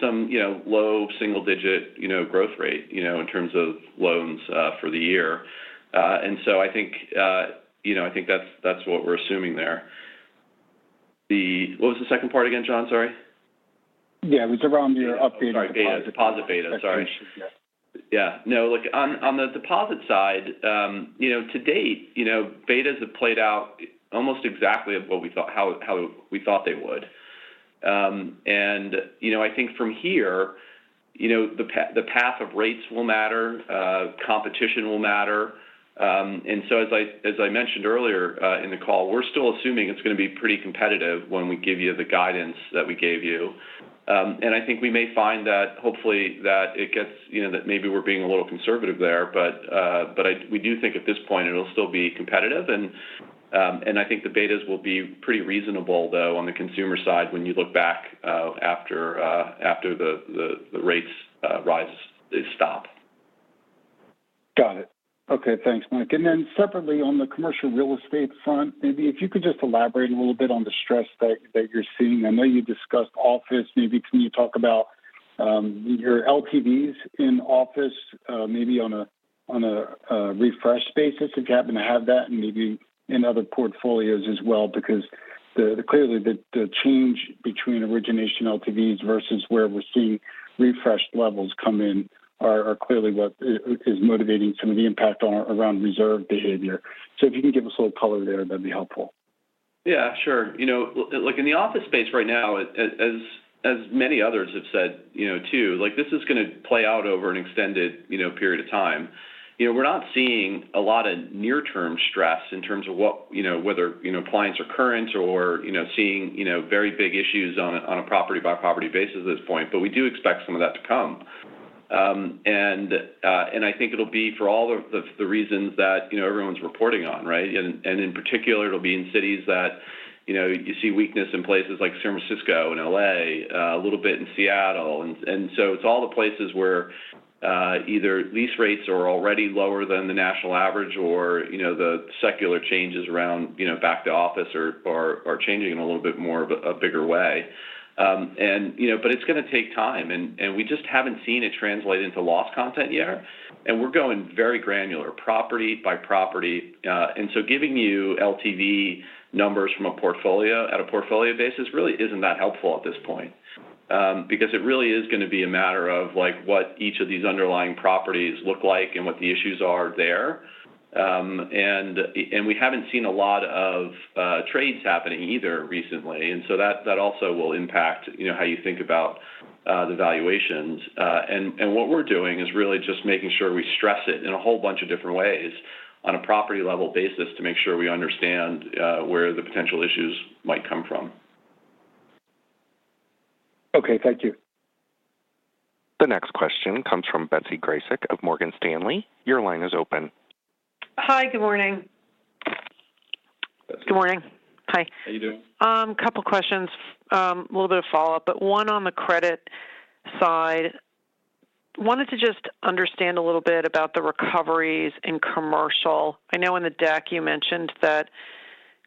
some, you know, low single digit, you know, growth rate, you know, in terms of loans for the year. I think, you know, I think that's what we're assuming there. What was the second part again, John? Sorry. Yeah, it was around your updated deposit beta. Sorry. Beta. deposit beta. Sorry. Yeah. Yeah. No, look, on the deposit side, you know, to date, you know, betas have played out almost exactly how we thought they would. You know, I think from here, you know, the path of rates will matter, competition will matter. As I mentioned earlier, in the call, we're still assuming it's gonna be pretty competitive when we give you the guidance that we gave you. I think we may find that hopefully that it gets, you know, that maybe we're being a little conservative there, but we do think at this point it'll still be competitive. I think the betas will be pretty reasonable though, on the consumer side when you look back, after the rates rise is stopped. Got it. Okay. Thanks, Mike. Separately, on the Commercial Real Estate front, maybe if you could just elaborate a little bit on the stress that you're seeing? I know you discussed office. Maybe can you talk about your LTVs in office, maybe on a refresh basis if you happen to have that and maybe in other portfolios as well? Clearly the change between origination LTVs versus where we're seeing refreshed levels come in are clearly what is motivating some of the impact around reserve behavior. If you can give us a little color there, that'd be helpful. Yeah, sure. You know, look, in the office space right now, as many others have said, you know, too, like, this is gonna play out over an extended, you know, period of time. You know, we're not seeing a lot of near-term stress in terms of what, you know, whether clients are current or, you know, seeing, you know, very big issues on a, on a property-by-property basis at this point. We do expect some of that to come. I think it'll be for all of the reasons that everyone's reporting on, right? In particular, it'll be in cities that, you know, you see weakness in places like San Francisco and LA, a little bit in Seattle. It's all the places where, either lease rates are already lower than the national average or, you know, the secular changes around, you know, back to office are changing in a little bit more of a bigger way. You know, but it's gonna take time, and we just haven't seen it translate into loss content yet. We're going very granular, property by property. Giving you LTV numbers from a portfolio at a portfolio basis really isn't that helpful at this point. Because it really is gonna be a matter of, like, what each of these underlying properties look like and what the issues are there. We haven't seen a lot of trades happening either recently, and so that also will impact, you know, how you think about the valuations. What we're doing is really just making sure we stress it in a whole bunch of different ways on a property level basis to make sure we understand, where the potential issues might come from. Okay. Thank you. The next question comes from Betsy Graseck of Morgan Stanley. Your line is open. Hi. Good morning. Betsy. Good morning. Hi. How you doing? Couple questions. A little bit of follow-up, but one on the credit side. Wanted to just understand a little bit about the recoveries in Commercial. I know in the deck you mentioned that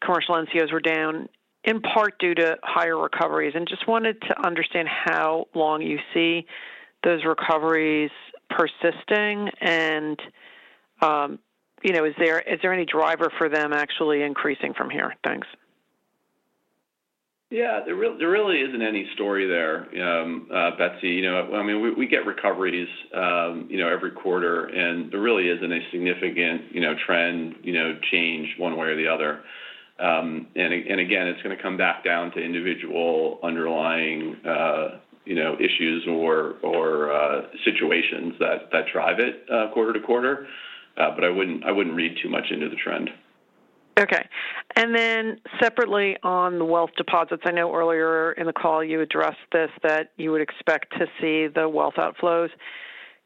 commercial NCOs were down in part due to higher recoveries, and just wanted to understand how long you see those recoveries persisting and, you know, is there any driver for them actually increasing from here? Thanks. Yeah. There really isn't any story there, Betsy. You know, I mean, we get recoveries, you know, every quarter. There really isn't a significant, you know, trend, you know, change one way or the other. Again, it's gonna come back down to individual underlying, you know, issues or situations that drive it quarter to quarter. I wouldn't read too much into the trend. Okay. Separately on the wealth deposits. I know earlier in the call you addressed this, that you would expect to see the wealth outflows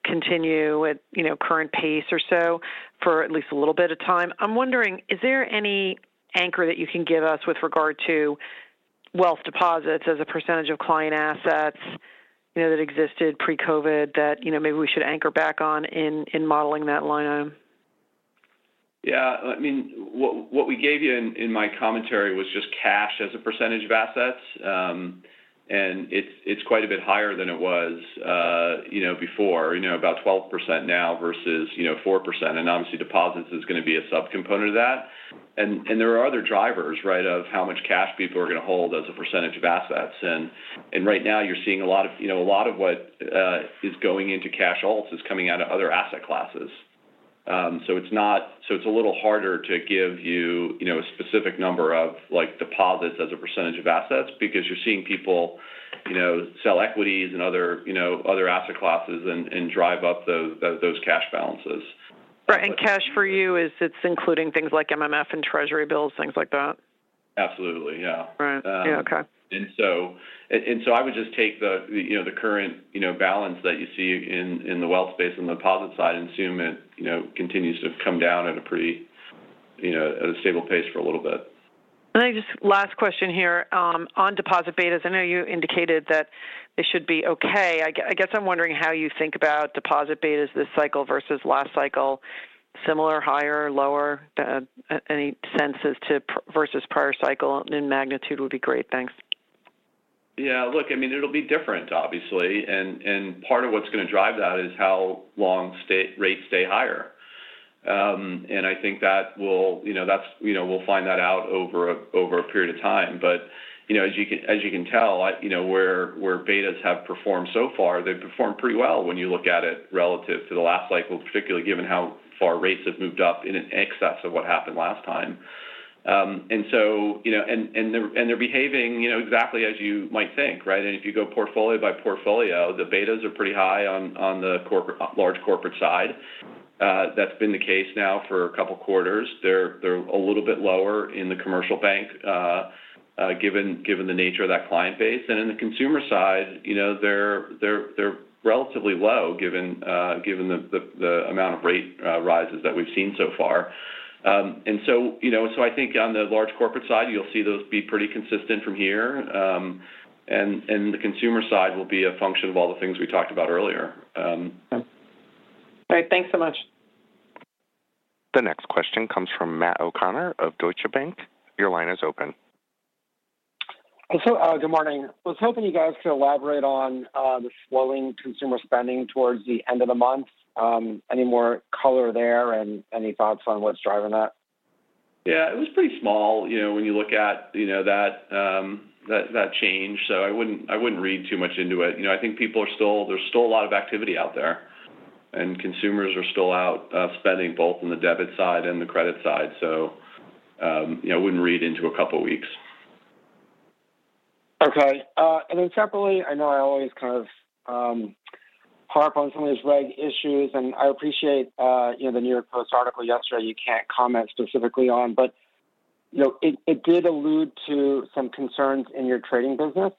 continue at, you know, current pace or so for at least a little bit of time. I'm wondering, is there any anchor that you can give us with regard to wealth deposits as a percentage of client assets, you know, that existed pre-COVID that, you know, maybe we should anchor back on in modeling that line item? Yeah. I mean, what we gave you in my commentary was just cash as a percentage of assets. It's quite a bit higher than it was, you know, before. You know, about 12% now versus, you know, 4%. Obviously deposits is gonna be a sub-component of that. There are other drivers, right, of how much cash people are gonna hold as a percentage of assets. Right now you're seeing You know, a lot of what is going into cash alternatives is coming out of other asset classes. It's a little harder to give you know, a specific number of, like, deposits as a percentage of assets because you're seeing people, you know, sell equities and other asset classes and drive up those cash balances. Right. Cash for you is it's including things like MMF and Treasury Bills, things like that? Absolutely, yeah. Right. Yeah. Okay. I would just take the, you know, the current, you know, balance that you see in the wealth space on the deposit side and assume it, you know, continues to come down at a pretty, you know, stable pace for a little bit. Let me just. Last question here. On deposit betas, I know you indicated that it should be okay. I guess I'm wondering how you think about deposit betas this cycle versus last cycle. Similar, higher, lower? Any sense as to versus prior cycle in magnitude would be great. Thanks. Yeah. Look, I mean, it'll be different obviously. Part of what's gonna drive that is how long rates stay higher. I think that will, you know, that's, you know, we'll find that out over a period of time. You know, as you can tell, where betas have performed so far, they've performed pretty well when you look at it relative to the last cycle, particularly given how far rates have moved up in an excess of what happened last time. And they're behaving, you know, exactly as you might think, right? If you go portfolio by portfolio, the betas are pretty high on the corporate, large corporate side. That's been the case now for a couple quarters. They're a little bit lower in the commercial bank, given the nature of that client base. In the consumer side, you know, they're relatively low given the amount of rate rises that we've seen so far. You know, I think on the large corporate side you'll see those be pretty consistent from here. The consumer side will be a function of all the things we talked about earlier. All right. Thanks so much. The next question comes from Matt O'Connor of Deutsche Bank. Your line is open. Good morning. I was hoping you guys could elaborate on, the slowing consumer spending towards the end of the month. Any more color there, and any thoughts on what's driving that? Yeah. It was pretty small, you know, when you look at, you know, that change. I wouldn't read too much into it. You know, there's still a lot of activity out there, and consumers are still out spending both on the debit side and the credit side. You know, I wouldn't read into a couple weeks. Okay. Separately, I know I always kind of, harp on some of these reg issues, and I appreciate, you know, the New York Post article yesterday you can't comment specifically on. You know, it did allude to some concerns in your trading business.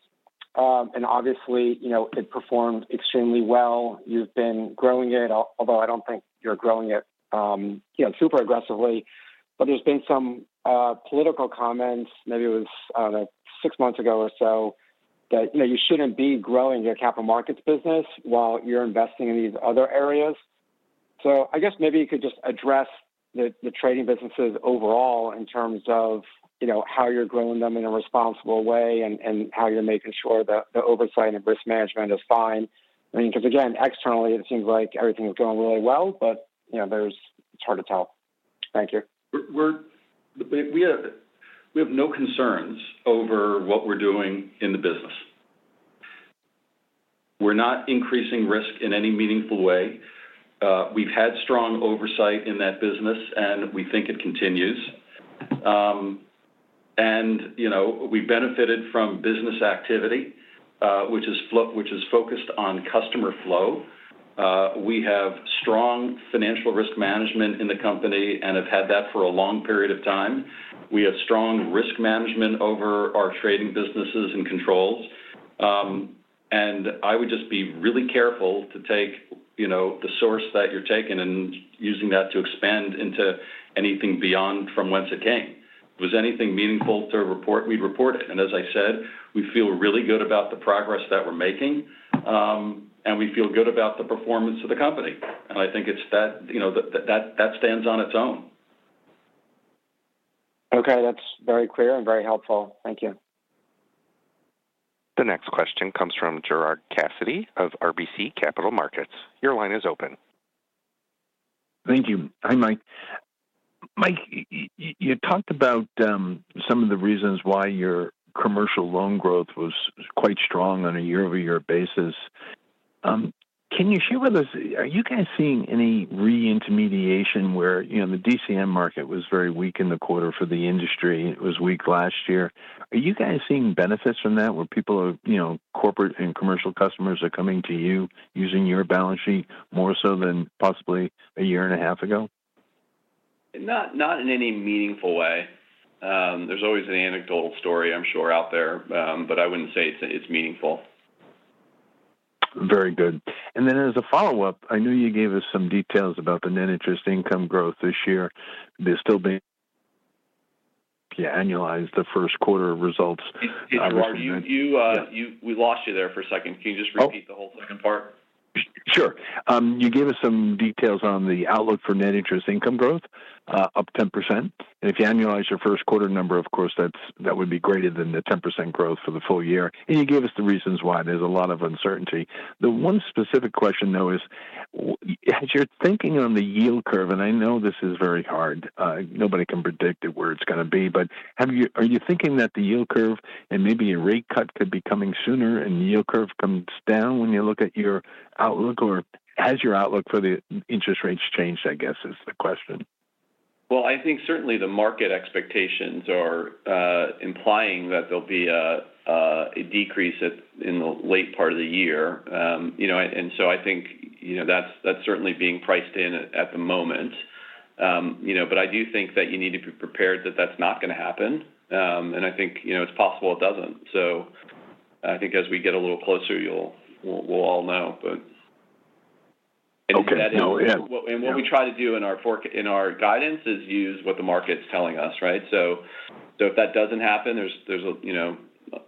Obviously, you know, it performed extremely well. You've been growing it, although I don't think you're growing it, you know, super aggressively. There's been some political comments, maybe it was, I don't know, six months ago or so that, you know, you shouldn't be growing your capital markets business while you're investing in these other areas. I guess maybe you could just address the trading businesses overall in terms of, you know, how you're growing them in a responsible way and how you're making sure that the oversight and risk management is fine. I mean, 'cause again, externally it seems like everything is going really well, but, you know, it's hard to tell. Thank you. We have no concerns over what we're doing in the business. We're not increasing risk in any meaningful way. We've had strong oversight in that business, and we think it continues. You know, we benefited from business activity, which is focused on customer flow. We have strong financial risk management in the company and have had that for a long period of time. We have strong risk management over our trading businesses and controls. I would just be really careful to take, you know, the source that you're taking and using that to expand into anything beyond from whence it came. If it was anything meaningful to report, we'd report it. As I said, we feel really good about the progress that we're making, and we feel good about the performance of the company, and I think it's that, you know, that stands on its own. Okay. That's very clear and very helpful. Thank you. The next question comes from Gerard Cassidy of RBC Capital Markets. Your line is open. Thank you. Hi, Mike. You talked about some of the reasons why your Commercial Loan growth was quite strong on a year-over-year basis. Can you share with us, are you guys seeing any reintermediation where, you know, the DCM market was very weak in the quarter for the industry? It was weak last year. Are you guys seeing benefits from that where people are, you know, corporate and Commercial customers are coming to you using your balance sheet more so than possibly a year and a half ago? Not in any meaningful way. There's always an anecdotal story, I'm sure, out there, but I wouldn't say it's meaningful. Very good. As a follow-up, I know you gave us some details about the net interest income growth this year. There's still been... If you annualize the first quarter results- Hey, Gerard, We lost you there for a second. Can you just repeat the whole second part? Sure. You gave us some details on the outlook for net interest income growth, up 10%. If you annualize your 1st quarter number, of course that would be greater than the 10% growth for the full year. You gave us the reasons why. There's a lot of uncertainty. The one specific question, though, is as you're thinking on the yield curve, and I know this is very hard, nobody can predict it, where it's going to be, but are you thinking that the yield curve and maybe a rate cut could be coming sooner and the yield curve comes down when you look at your outlook? Has your outlook for the interest rates changed, I guess, is the question. Well, I think certainly the market expectations are implying that there'll be a decrease in the late part of the year. You know, I think, you know, that's certainly being priced in at the moment. You know, I do think that you need to be prepared that that's not gonna happen. I think, you know, it's possible it doesn't. I think as we get a little closer you'll, we'll all know. Okay. No, yeah. What we try to do in our guidance is use what the market's telling us, right? If that doesn't happen, there's a, you know...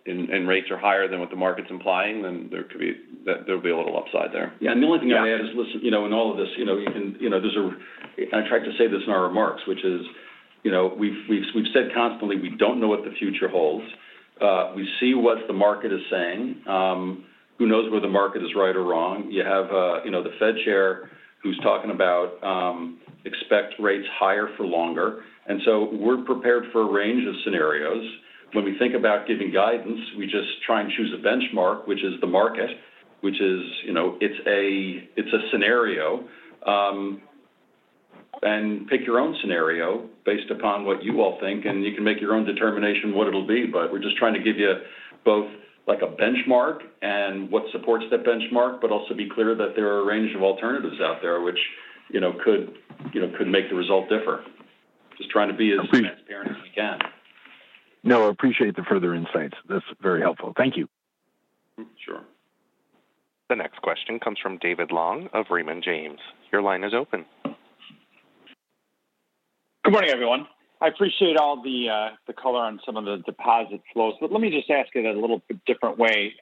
Rates are higher than what the market's implying, there could be, there'll be a little upside there. Yeah. The only thing I'd add is, listen, you know, in all of this, you know, you can, you know. I tried to say this in our remarks, which is, you know, we've said constantly we don't know what the future holds. We see what the market is saying. Who knows whether the market is right or wrong. You have, you know, the Fed chair who's talking about expect rates higher for longer. We're prepared for a range of scenarios. When we think about giving guidance, we just try and choose a benchmark, which is the market, which is, you know, it's a, it's a scenario. Pick your own scenario based upon what you all think, and you can make your own determination what it'll be. We're just trying to give you both, like, a benchmark and what supports that benchmark, but also be clear that there are a range of alternatives out there which, you know, could. You know, could make the result differ. Just trying to be as transparent as we can. I appreciate the further insights. That's very helpful. Thank you. Sure. The next question comes from David Long of Raymond James. Your line is open. Good morning, everyone. I appreciate all the color on some of the deposit flows. Let me just ask it a little bit different way.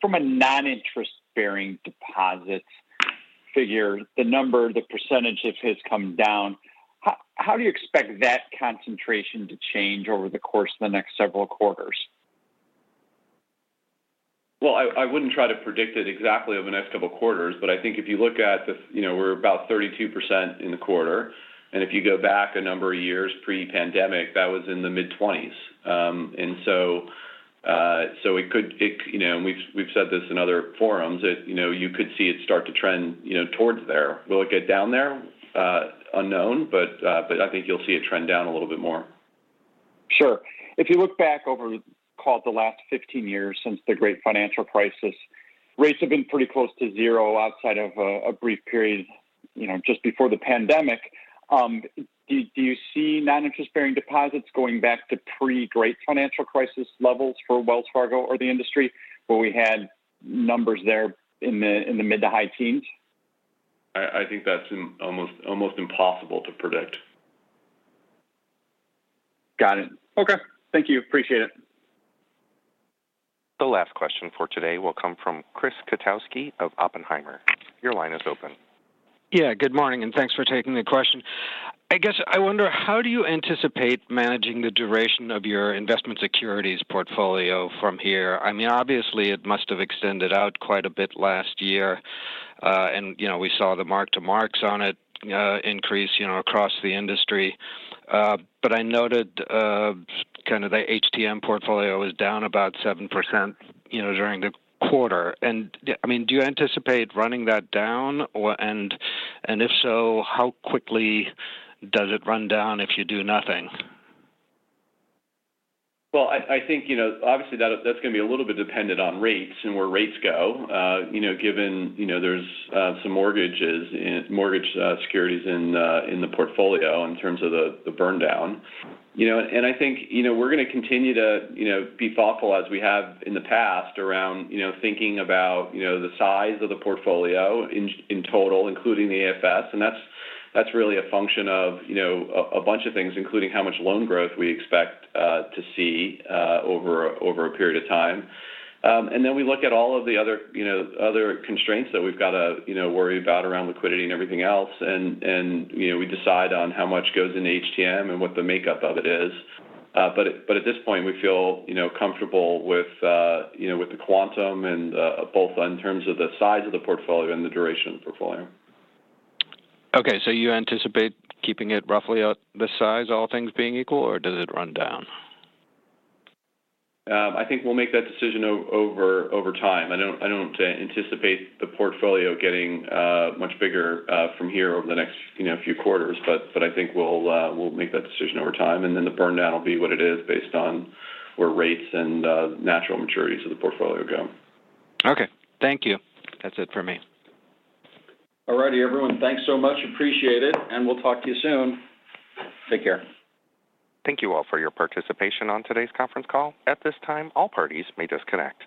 From a noninterest-bearing deposit figure, the percentage of has come down. How do you expect that concentration to change over the course of the next several quarters? Well, I wouldn't try to predict it exactly over the next couple quarters, but I think if you look at the... You know, we're about 32% in the quarter, and if you go back a number of years pre-pandemic, that was in the mid-20s. It could, You know, and we've said this in other forums that, you know, you could see it start to trend, you know, towards there. Will it get down there? Unknown. I think you'll see it trend down a little bit more. Sure. If you look back over, call it the last 15 years since the Great Financial Crisis, rates have been pretty close to zero outside of a brief period, you know, just before the pandemic. Do you see noninterest-bearing deposits going back to pre-Great Financial Crisis levels for Wells Fargo or the industry where we had numbers there in the mid to high teens? I think that's almost impossible to predict. Got it. Okay. Thank you. Appreciate it. The last question for today will come from Chris Kotowski of Oppenheimer. Your line is open. Yeah. Good morning, and thanks for taking the question. I guess I wonder, how do you anticipate managing the duration of your investment securities portfolio from here? I mean, obviously it must have extended out quite a bit last year. You know, we saw the mark-to-marks on it, increase, you know, across the industry. I noted, kind of the HTM portfolio was down about 7%, you know, during the quarter. I mean, do you anticipate running that down or? If so, how quickly does it run down if you do nothing? Well, I think, you know, obviously that's gonna be a little bit dependent on rates and where rates go, you know, given, you know, there's some mortgages and mortgage securities in the portfolio in terms of the burn down. I think, you know, we're gonna continue to, you know, be thoughtful as we have in the past around, you know, thinking about, you know, the size of the portfolio in total, including the AFS. That's, that's really a function of, you know, a bunch of things, including how much loan growth we expect to see over a period of time. Then we look at all of the other, you know, other constraints that we've got to, you know, worry about around liquidity and everything else. You know, we decide on how much goes into HTM and what the makeup of it is. At this point we feel, you know, comfortable with, you know, with the quantum and, both in terms of the size of the portfolio and the duration of the portfolio. Okay. You anticipate keeping it roughly at this size, all things being equal, or does it run down? I think we'll make that decision over time. I don't anticipate the portfolio getting much bigger from here over the next, you know, few quarters. I think we'll make that decision over time, and then the burn down will be what it is based on where rates and natural maturities of the portfolio go. Okay. Thank you. That's it for me. All righty, everyone. Thanks so much. Appreciate it, and we'll talk to you soon. Take care. Thank you all for your participation on today's conference call. At this time, all parties may disconnect.